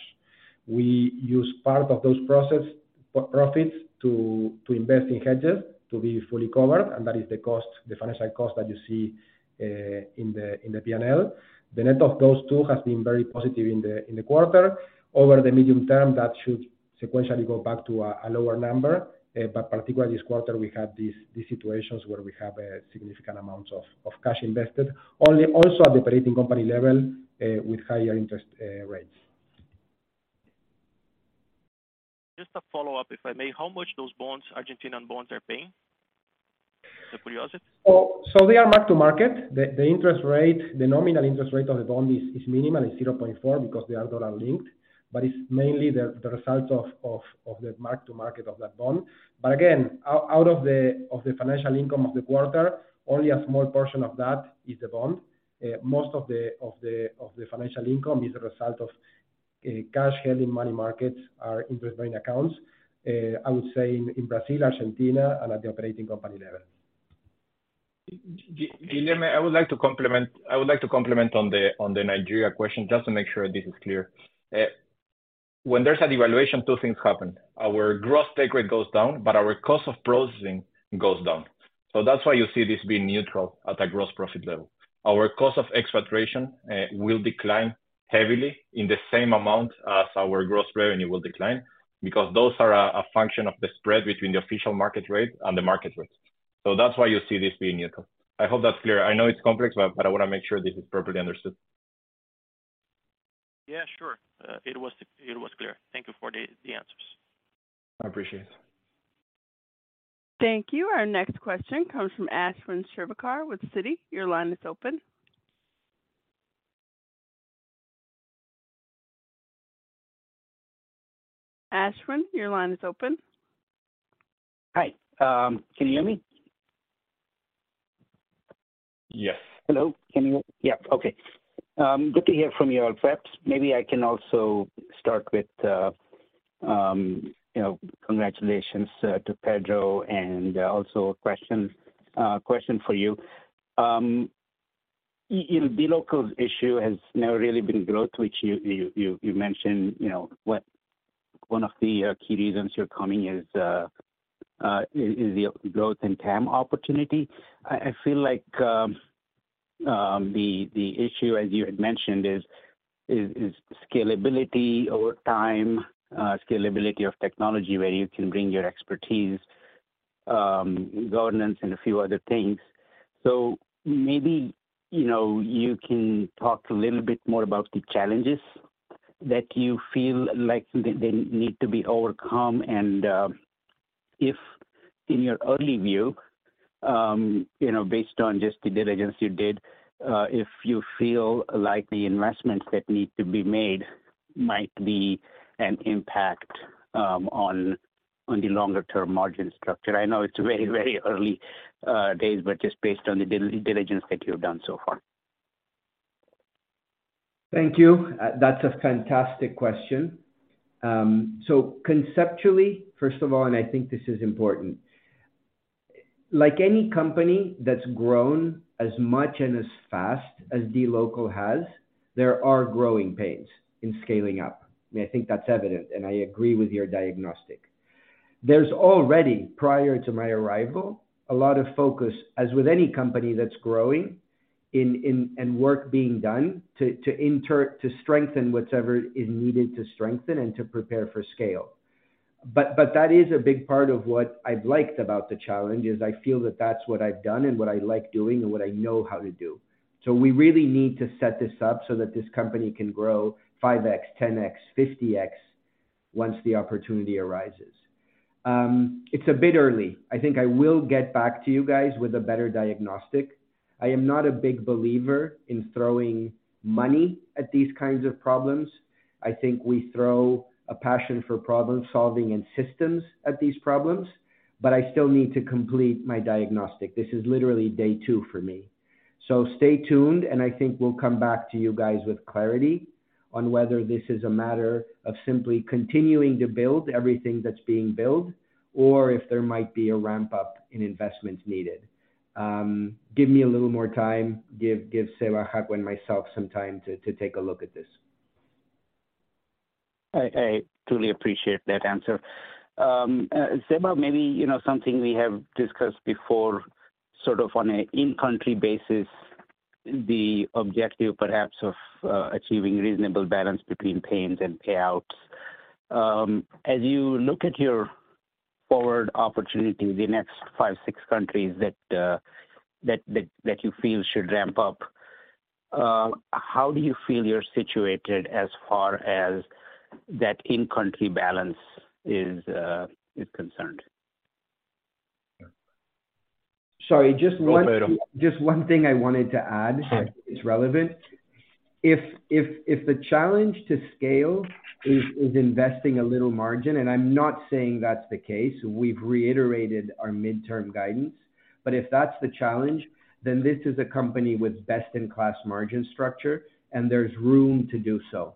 We use part of those profits to invest in hedges to be fully covered, and that is the cost, the financial cost that you see in the PNL. The net of those two has been very positive in the quarter. Over the medium term, that should sequentially go back to a lower number. Particularly this quarter, we had these, these situations where we have significant amounts of cash invested, only also at the operating company level, with higher interest rates. Just a follow-up, if I may. How much those bonds, Argentine bonds, are paying? The curiosity. They are mark-to-market. The interest rate, the nominal interest rate of the bond is minimal, it's 0.4, because they are dollar-linked, but it's mainly the results of the mark-to-market of that bond. Again, out of the financial income of the quarter, only a small portion of that is the bond. Most of the financial income is a result of cash held in money markets or interest-bearing accounts, I would say in Brazil, Argentina, and at the operating company level. Guilherme, I would like to complement, I would like to complement on the, on the Nigeria question, just to make sure this is clear. When there's a devaluation, two things happen. Our gross take rate goes down, but our cost of processing goes down. That's why you see this being neutral at a gross profit level. Our cost of expatriation will decline heavily in the same amount as our gross revenue will decline, because those are a function of the spread between the official market rate and the market rate. That's why you see this being neutral. I hope that's clear. I know it's complex, but, but I want to make sure this is properly understood. Yeah, sure. It was, it was clear. Thank you for the, the answers. I appreciate it. Thank you. Our next question comes from Ashwin Shirvaikar with Citi. Your line is open. Ashwin, your line is open. Hi, can you hear me? Yes. Hello, Yeah. Okay. Good to hear from you all. Perhaps maybe I can also start with congratulations to Pedro, and also a question, question for you. In DLocal's issue has never really been growth, which you, you, you, you mentioned, you know, one of the key reasons you're coming is, is, is the growth and TAM opportunity. I, I feel like, the issue, as you had mentioned, is scalability over time, scalability of technology, where you can bring your expertise, governance and a few other things. Maybe, you know, you can talk a little bit more about the challenges that you feel like they, they need to be overcome and, if in your early view, you know, based on just the diligence you did, if you feel like the investments that need to be made might be an impact on the longer term margin structure? I know it's very, very early days, but just based on the diligence that you've done so far. Thank you. That's a fantastic question. So conceptually, first of all, I think this is important, like any company that's grown as much and as fast as DLocal has, there are growing pains in scaling up. I think that's evident, and I agree with your diagnostic. There's already, prior to my arrival, a lot of focus, as with any company that's growing, and work being done to strengthen whatever is needed to strengthen and to prepare for scale. That is a big part of what I've liked about the challenge, is I feel that that's what I've done and what I like doing and what I know how to do. We really need to set this up so that this company can grow 5x, 10x, 50x once the opportunity arises. It's a bit early. I think I will get back to you guys with a better diagnostic. I am not a big believer in throwing money at these kinds of problems. I think we throw a passion for problem-solving and systems at these problems, but I still need to complete my diagnostic. This is literally day two for me. Stay tuned, and I think we'll come back to you guys with clarity on whether this is a matter of simply continuing to build everything that's being built or if there might be a ramp-up in investments needed. Give me a little more time. Give, give Seba, Joaquin, and myself some time to, to take a look at this. I, I truly appreciate that answer. Seba, maybe, you know, something we have discussed before, sort of on a in-country basis, the objective perhaps of achieving reasonable balance between payments and payouts. As you look at your forward opportunity, the next 5, 6 countries that, that, that you feel should ramp up, how do you feel you're situated as far as that in-country balance is concerned? Sorry, just. Go ahead, Pedro. Just one thing I wanted to add. Sure. that is relevant. If, if, if the challenge to scale is, is investing a little margin, and I'm not saying that's the case, we've reiterated our midterm guidance. If that's the challenge, then this is a company with best-in-class margin structure, and there's room to do so.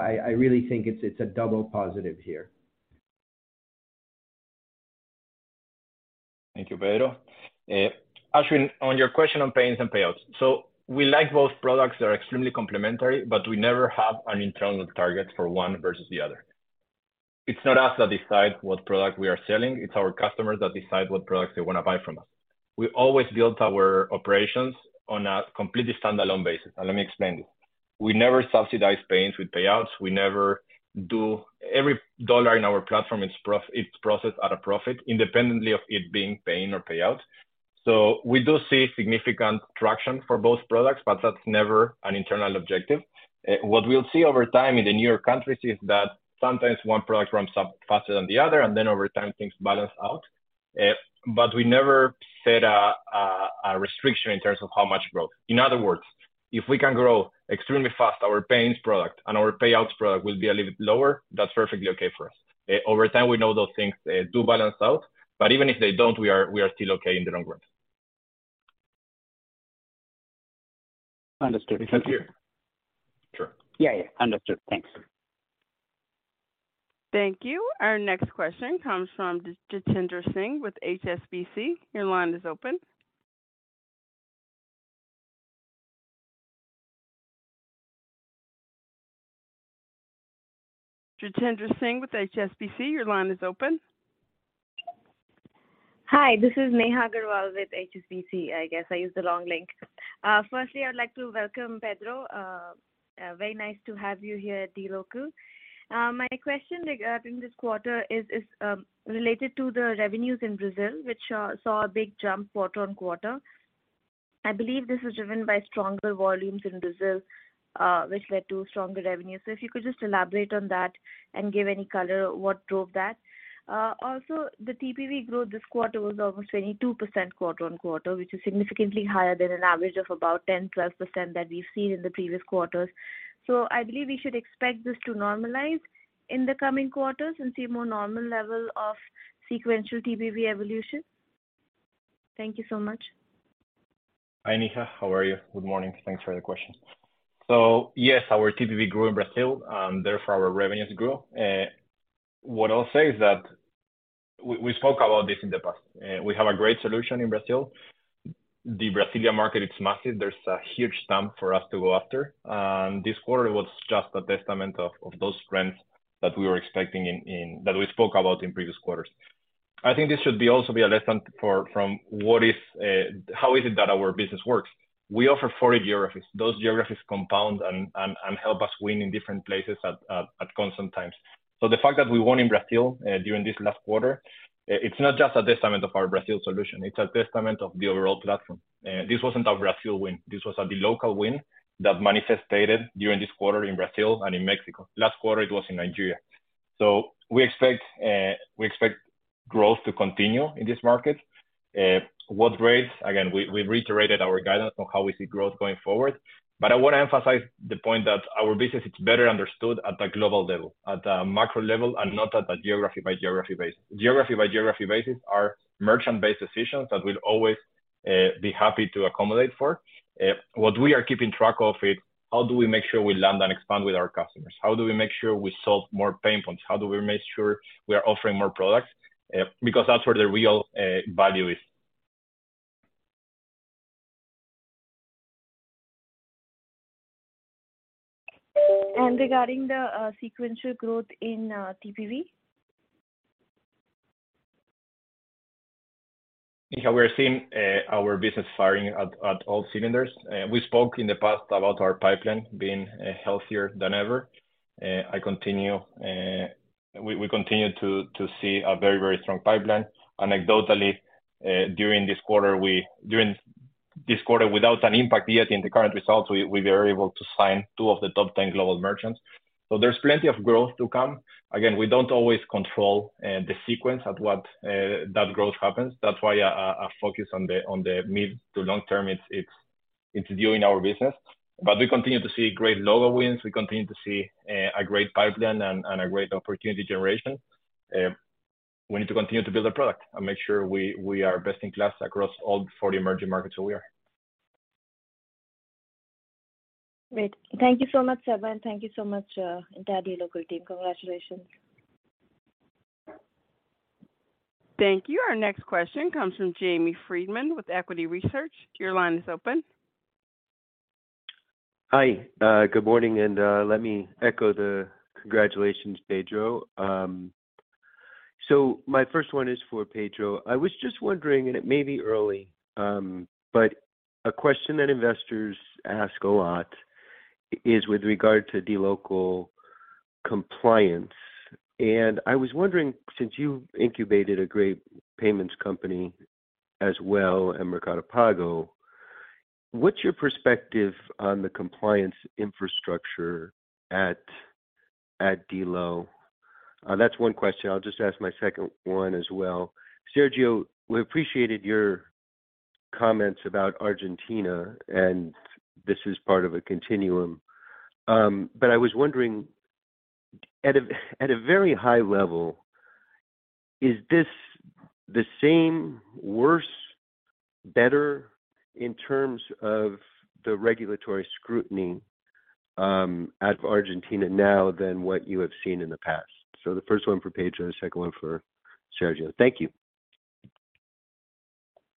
I, I really think it's, it's a double positive here. Thank you, Pedro. Ashwin, on your question on payments and payouts. We like both products, they are extremely complementary, but we never have an internal target for one versus the other. It's not us that decide what product we are selling, it's our customers that decide what products they want to buy from us. We always build our operations on a completely standalone basis, and let me explain this. We never subsidize payments with payouts. We never do... Every dollar in our platform, it's processed at a profit, independently of it being paying or payout. We do see significant traction for both products, but that's never an internal objective. What we'll see over time in the newer countries is that sometimes one product ramps up faster than the other, and then over time, things balance out. We never set a restriction in terms of how much growth. In other words, if we can grow extremely fast, our payments product and our payouts product will be a little bit lower. That's perfectly okay for us. Over time, we know those things do balance out. Even if they don't, we are still okay in the long run. Understood. Thank you. Sure. Yeah, yeah. Understood. Thanks. Thank you. Our next question comes from Neha Agarwala with HSBC. Your line is open. Neha Agarwala with HSBC, your line is open. Hi, this is Neha Agarwala with HSBC. I guess I used the long link. Firstly, I'd like to welcome Pedro. Very nice to have you here at DLocal. My question regarding this quarter is, is related to the revenues in Brazil, which saw a big jump quarter-on-quarter. I believe this was driven by stronger volumes in Brazil, which led to stronger revenues. If you could just elaborate on that and give any color, what drove that? Also, the TPV growth this quarter was almost 22% quarter-on-quarter, which is significantly higher than an average of about 10%, 12% that we've seen in the previous quarters. I believe we should expect this to normalize in the coming quarters and see more normal level of sequential TPV evolution? Thank you so much. Hi, Neha. How are you? Good morning. Thanks for the question. Yes, our TPV grew in Brazil, therefore, our revenues grew. What I'll say is that we, we spoke about this in the past, we have a great solution in Brazil. The Brazilian market, it's massive. There's a huge stamp for us to go after, and this quarter was just a testament of, of those trends that we were expecting that we spoke about in previous quarters. I think this should be also be a lesson for, from what is, how is it that our business works. We offer 4 geographies. Those geographies compound and, and, and help us win in different places at, at, at constant times. The fact that we won in Brazil, during this last quarter, it's not just a testament of our Brazil solution, it's a testament of the overall platform. This wasn't a Brazil win. This was a DLocal win that manifested during this quarter in Brazil and in Mexico. Last quarter, it was in Nigeria. We expect, we expect growth to continue in this market. What rates? Again, we, we reiterated our guidance on how we see growth going forward. I want to emphasize the point that our business is better understood at a global level, at a macro level, and not at a geography by geography base. Geography by geography basis, are merchant-based decisions that we'll always, be happy to accommodate for. What we are keeping track of is: How do we make sure we land and expand with our customers? How do we make sure we solve more pain points? How do we make sure we are offering more products? Because that's where the real value is. Regarding the sequential growth in TPV?... Yeah, we're seeing our business firing at all cylinders. We spoke in the past about our pipeline being healthier than ever. I continue, we, we continue to, to see a very, very strong pipeline. Anecdotally, during this quarter, During this quarter, without an impact yet in the current results, we, we were able to sign 2 of the top 10 global merchants. There's plenty of growth to come. Again, we don't always control the sequence at what that growth happens. That's why our, our focus on the, on the mid to long term, it's, it's, it's doing our business. We continue to see great logo wins. We continue to see a great pipeline and, and a great opportunity generation. We need to continue to build our product and make sure we, we are best in class across all 40 emerging markets that we are. Great. Thank you so much, Seba, and thank you so much, entire DLocal team. Congratulations. Thank you. Our next question comes from Jamie Friedman with Equity Research. Your line is open. Hi, good morning, let me echo the congratulations, Pedro. My first one is for Pedro. I was just wondering, it may be early, but a question that investors ask a lot is with regard to DLocal compliance. I was wondering, since you incubated a great payments company as well in Mercado Pago, what's your perspective on the compliance infrastructure at DLocal? That's one question. I'll just ask my second one as well. Sergio, we appreciated your comments about Argentina, this is part of a continuum. But I was wondering, at a very high level, is this the same, worse, better in terms of the regulatory scrutiny at Argentina now than what you have seen in the past? The first one for Pedro, the second one for Sergio. Thank you.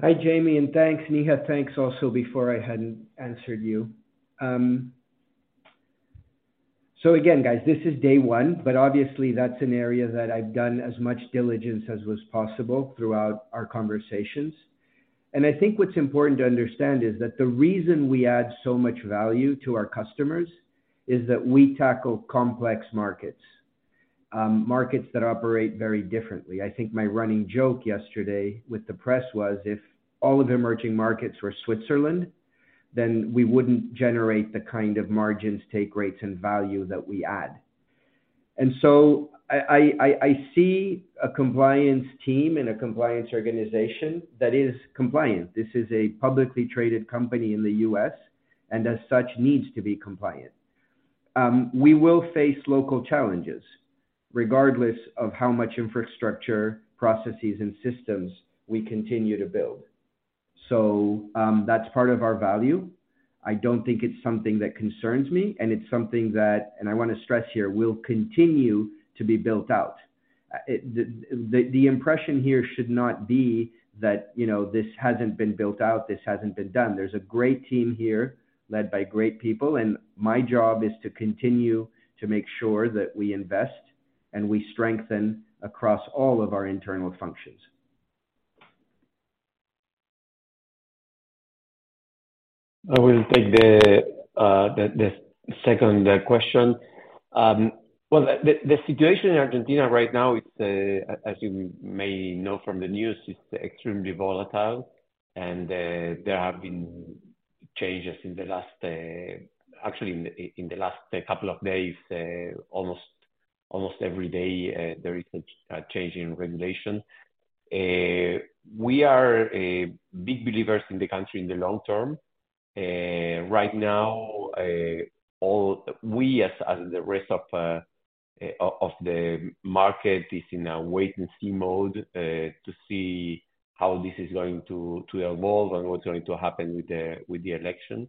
Hi, Jamie. Thanks, Neha. Thanks also before I hadn't answered you. Again, guys, this is day one, but obviously that's an area that I've done as much diligence as was possible throughout our conversations. I think what's important to understand is that the reason we add so much value to our customers is that we tackle complex markets, markets that operate very differently. I think my running joke yesterday with the press was, if all of the emerging markets were Switzerland, then we wouldn't generate the kind of margins, take rates, and value that we add. I, I, I, I see a compliance team and a compliance organization that is compliant. This is a publicly traded company in the U.S., and as such, needs to be compliant. We will face local challenges regardless of how much infrastructure, processes, and systems we continue to build. That's part of our value. I don't think it's something that concerns me, and it's something that, and I want to stress here, will continue to be built out. The impression here should not be that, you know, this hasn't been built out, this hasn't been done. There's a great team here led by great people, and my job is to continue to make sure that we invest and we strengthen across all of our internal functions. I will take the, the second question. Well, the, the, the situation in Argentina right now is, as you may know from the news, it's extremely volatile, and there have been changes in the last, actually, in the, in the last couple of days. Almost, almost every day, there is a, a change in regulation. We are big believers in the country in the long term. Right now, we, as, as the rest of the market, is in a wait-and-see mode, to see how this is going to, to evolve and what's going to happen with the, with the election.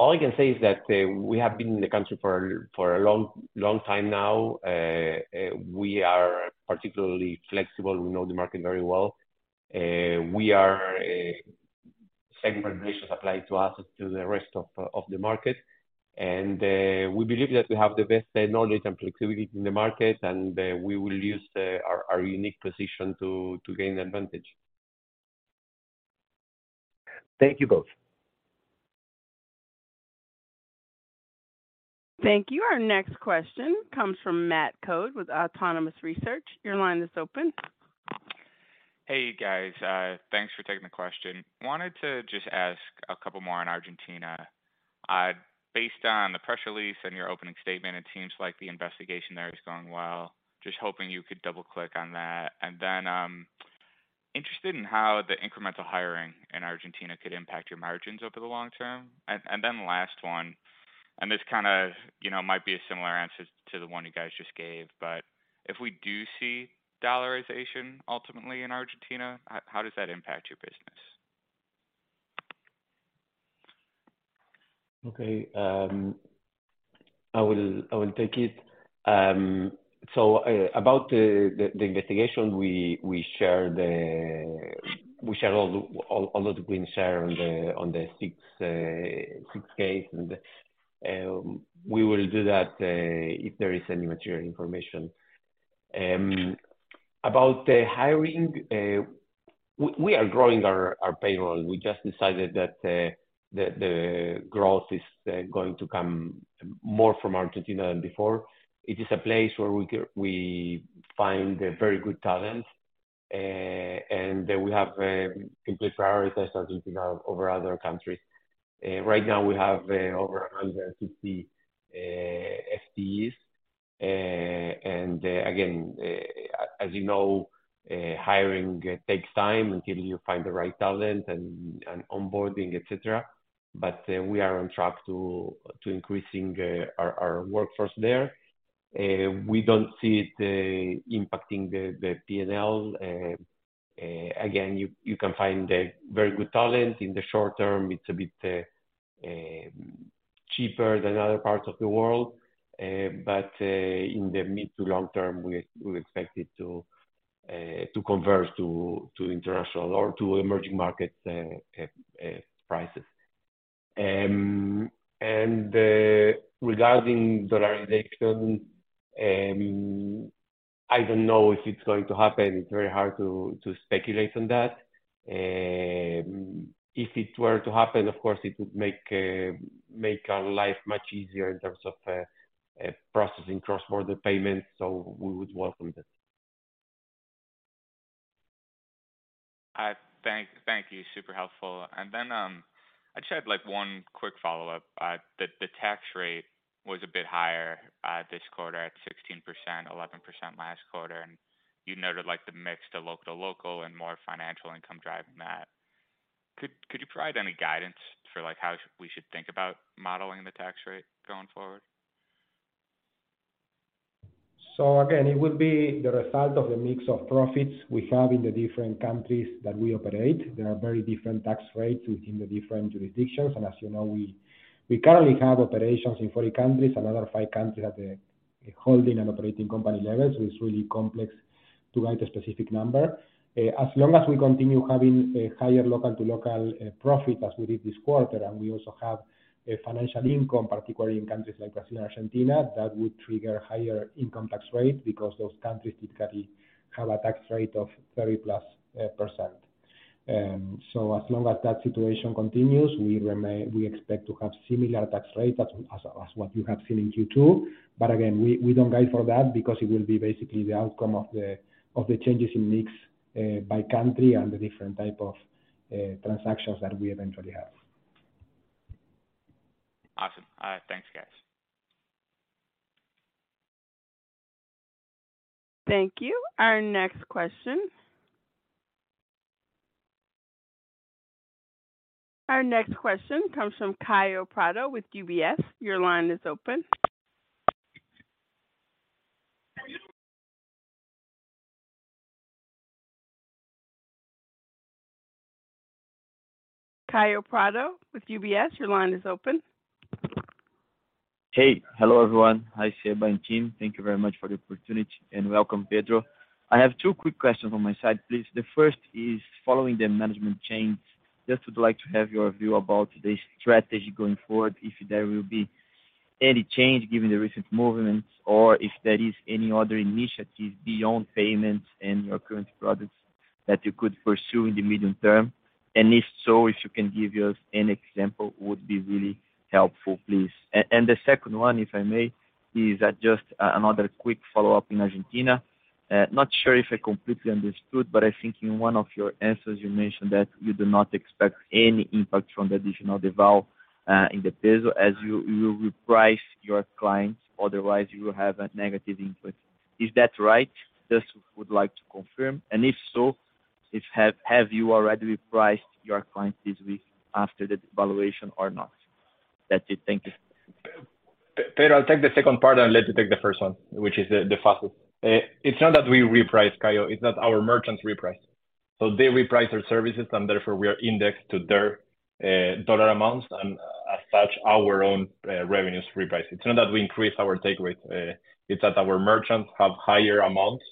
All I can say is that we have been in the country for, for a long, long time now. We are particularly flexible. We know the market very well. Same regulations apply to us as to the rest of, of the market. We believe that we have the best knowledge and flexibility in the market. We will use our unique position to gain advantage. Thank you both. Thank you. Our next question comes from Matt Coad with Autonomous Research. Your line is open. Hey, guys, thanks for taking the question. Wanted to just ask a couple more on Argentina. Based on the press release and your opening statement, it seems like the investigation there is going well. Just hoping you could double-click on that. Then, interested in how the incremental hiring in Argentina could impact your margins over the long term. Then the last one, and this kind of, you know, might be a similar answer to the one you guys just gave, but if we do see dollarization ultimately in Argentina, how, how does that impact your business? Okay, I will, I will take it. About the investigation, we, we share all the, all, all that we can share on the 6-K. We will do that if there is any material information. About the hiring, we, we are growing our, our payroll. We just decided that the growth is going to come more from Argentina than before. It is a place where we find a very good talent, and we have complete priorities as you think of over other countries. Right now we have over 150 FTEs. Again, as you know, hiring takes time until you find the right talent and onboarding, et cetera. We are on track to increasing our workforce there. We don't see it impacting the PNL. Again, you can find a very good talent in the short term. It's a bit cheaper than other parts of the world, but in the mid to long term, we expect it to converge to international or to emerging markets prices. Regarding dollarization, I don't know if it's going to happen. It's very hard to speculate on that. If it were to happen, of course, it would make our life much easier in terms of processing cross-border payments, so we would welcome it. Thank, thank you. Super helpful. Then, I just had, like, one quick follow-up. The, the tax rate was a bit higher, this quarter at 16%, 11% last quarter, and you noted, like, the mix to local-to-local and more financial income driving that. Could, could you provide any guidance for, like, how we should think about modeling the tax rate going forward? Again, it would be the result of the mix of profits we have in the different countries that we operate. There are very different tax rates within the different jurisdictions, and as you know, we, we currently have operations in 40 countries, another five countries at the holding and operating company levels. It's really complex to write a specific number. As long as we continue having a higher local-to-local profit, as we did this quarter, and we also have a financial income, particularly in countries like Brazil and Argentina, that would trigger higher income tax rates because those countries typically have a tax rate of 30%+ percent. As long as that situation continues, we expect to have similar tax rates as, as, as what you have seen in Q2. Again, we, we don't guide for that because it will be basically the outcome of the, of the changes in mix, by country and the different type of, transactions that we eventually have. Awesome. Thanks, guys. Thank you. Our next question? Our next question comes from Caio Prado with UBS. Your line is open. Caio Prado with UBS, your line is open. Hey. Hello, everyone. Hi, Seba and team. Thank you very much for the opportunity, and welcome, Pedro. I have two quick questions on my side, please. The first is following the management change. Just would like to have your view about the strategy going forward, if there will be any change given the recent movements or if there is any other initiatives beyond payments and your current products that you could pursue in the medium term. If so, if you can give us an example, would be really helpful, please. The second one, if I may, is just another quick follow-up in Argentina. Not sure if I completely understood, but I think in one of your answers, you mentioned that you do not expect any impact from the additional deval, in the peso as you will reprice your clients, otherwise you will have a negative input. Is that right? Just would like to confirm. If so, if have, have you already repriced your clients this week after the devaluation or not? That's it. Thank you. Pedro, I'll take the second part and let you take the first one, which is the, the first. It's not that we reprice, Caio, it's that our merchants reprice. They reprice their services, and therefore we are indexed to their dollar amounts, and as such, our own revenues reprice. It's not that we increase our take rate, it's that our merchants have higher amounts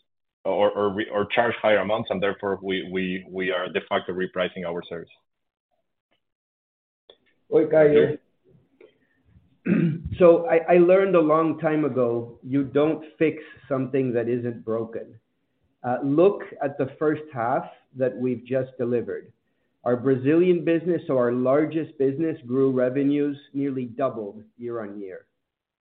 or, or charge higher amounts, and therefore, we, we, we are de facto repricing our service. Look, Caio, I learned a long time ago, you don't fix something that isn't broken. Look at the first half that we've just delivered. Our Brazilian business or our largest business, grew revenues, nearly doubled year-on-year.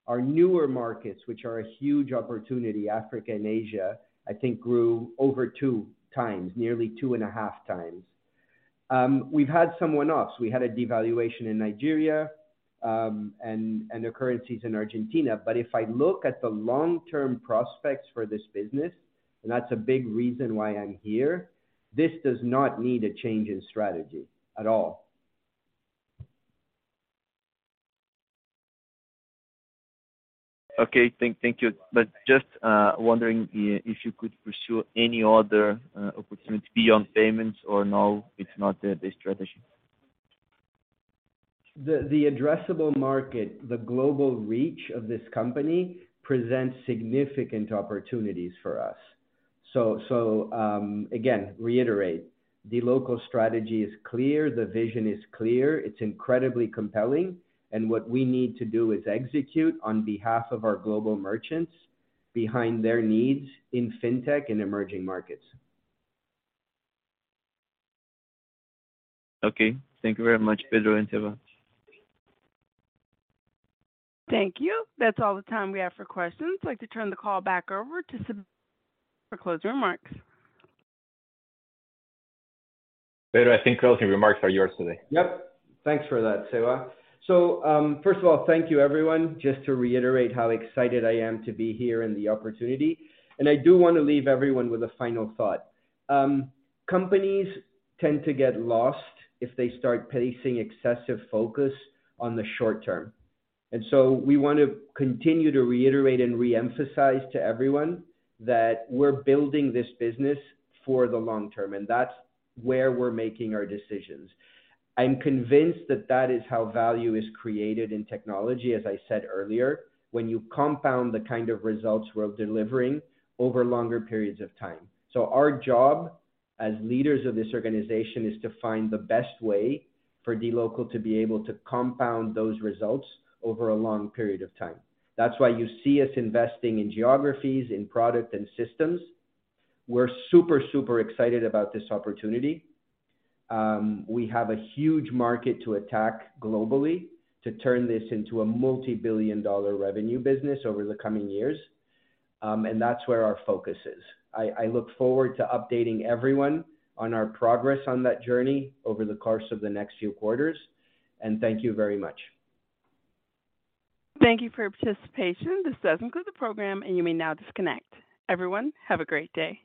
Our newer markets, which are a huge opportunity, Africa and Asia, I think grew over 2 times, nearly 2.5 times. We've had some one-offs. We had a devaluation in Nigeria, and occurrences in Argentina. If I look at the long-term prospects for this business, and that's a big reason why I'm here, this does not need a change in strategy at all. Okay. Thank, thank you. Just wondering if you could pursue any other opportunities beyond payments or no, it's not the strategy? The addressable market, the global reach of this company presents significant opportunities for us. Again, reiterate, DLocal's strategy is clear, the vision is clear, it's incredibly compelling, and what we need to do is execute on behalf of our global merchants behind their needs in fintech and emerging markets. Okay. Thank you very much, Pedro and Seva. Thank you. That's all the time we have for questions. I'd like to turn the call back over to Seb for closing remarks. Pedro, I think closing remarks are yours today. Yep. Thanks for that, Seva. First of all, thank you everyone. Just to reiterate how excited I am to be here and the opportunity, I do want to leave everyone with a final thought. Companies tend to get lost if they start placing excessive focus on the short term. We want to continue to reiterate and reemphasize to everyone that we're building this business for the long term, and that's where we're making our decisions. I'm convinced that that is how value is created in technology, as I said earlier, when you compound the kind of results we're delivering over longer periods of time. Our job as leaders of this organization is to find the best way for DLocal to be able to compound those results over a long period of time. That's why you see us investing in geographies, in product and systems. We're super, super excited about this opportunity. We have a huge market to attack globally to turn this into a $ multi-billion revenue business over the coming years. That's where our focus is. I, I look forward to updating everyone on our progress on that journey over the course of the next few quarters. Thank you very much. Thank you for your participation. This does conclude the program, and you may now disconnect. Everyone, have a great day.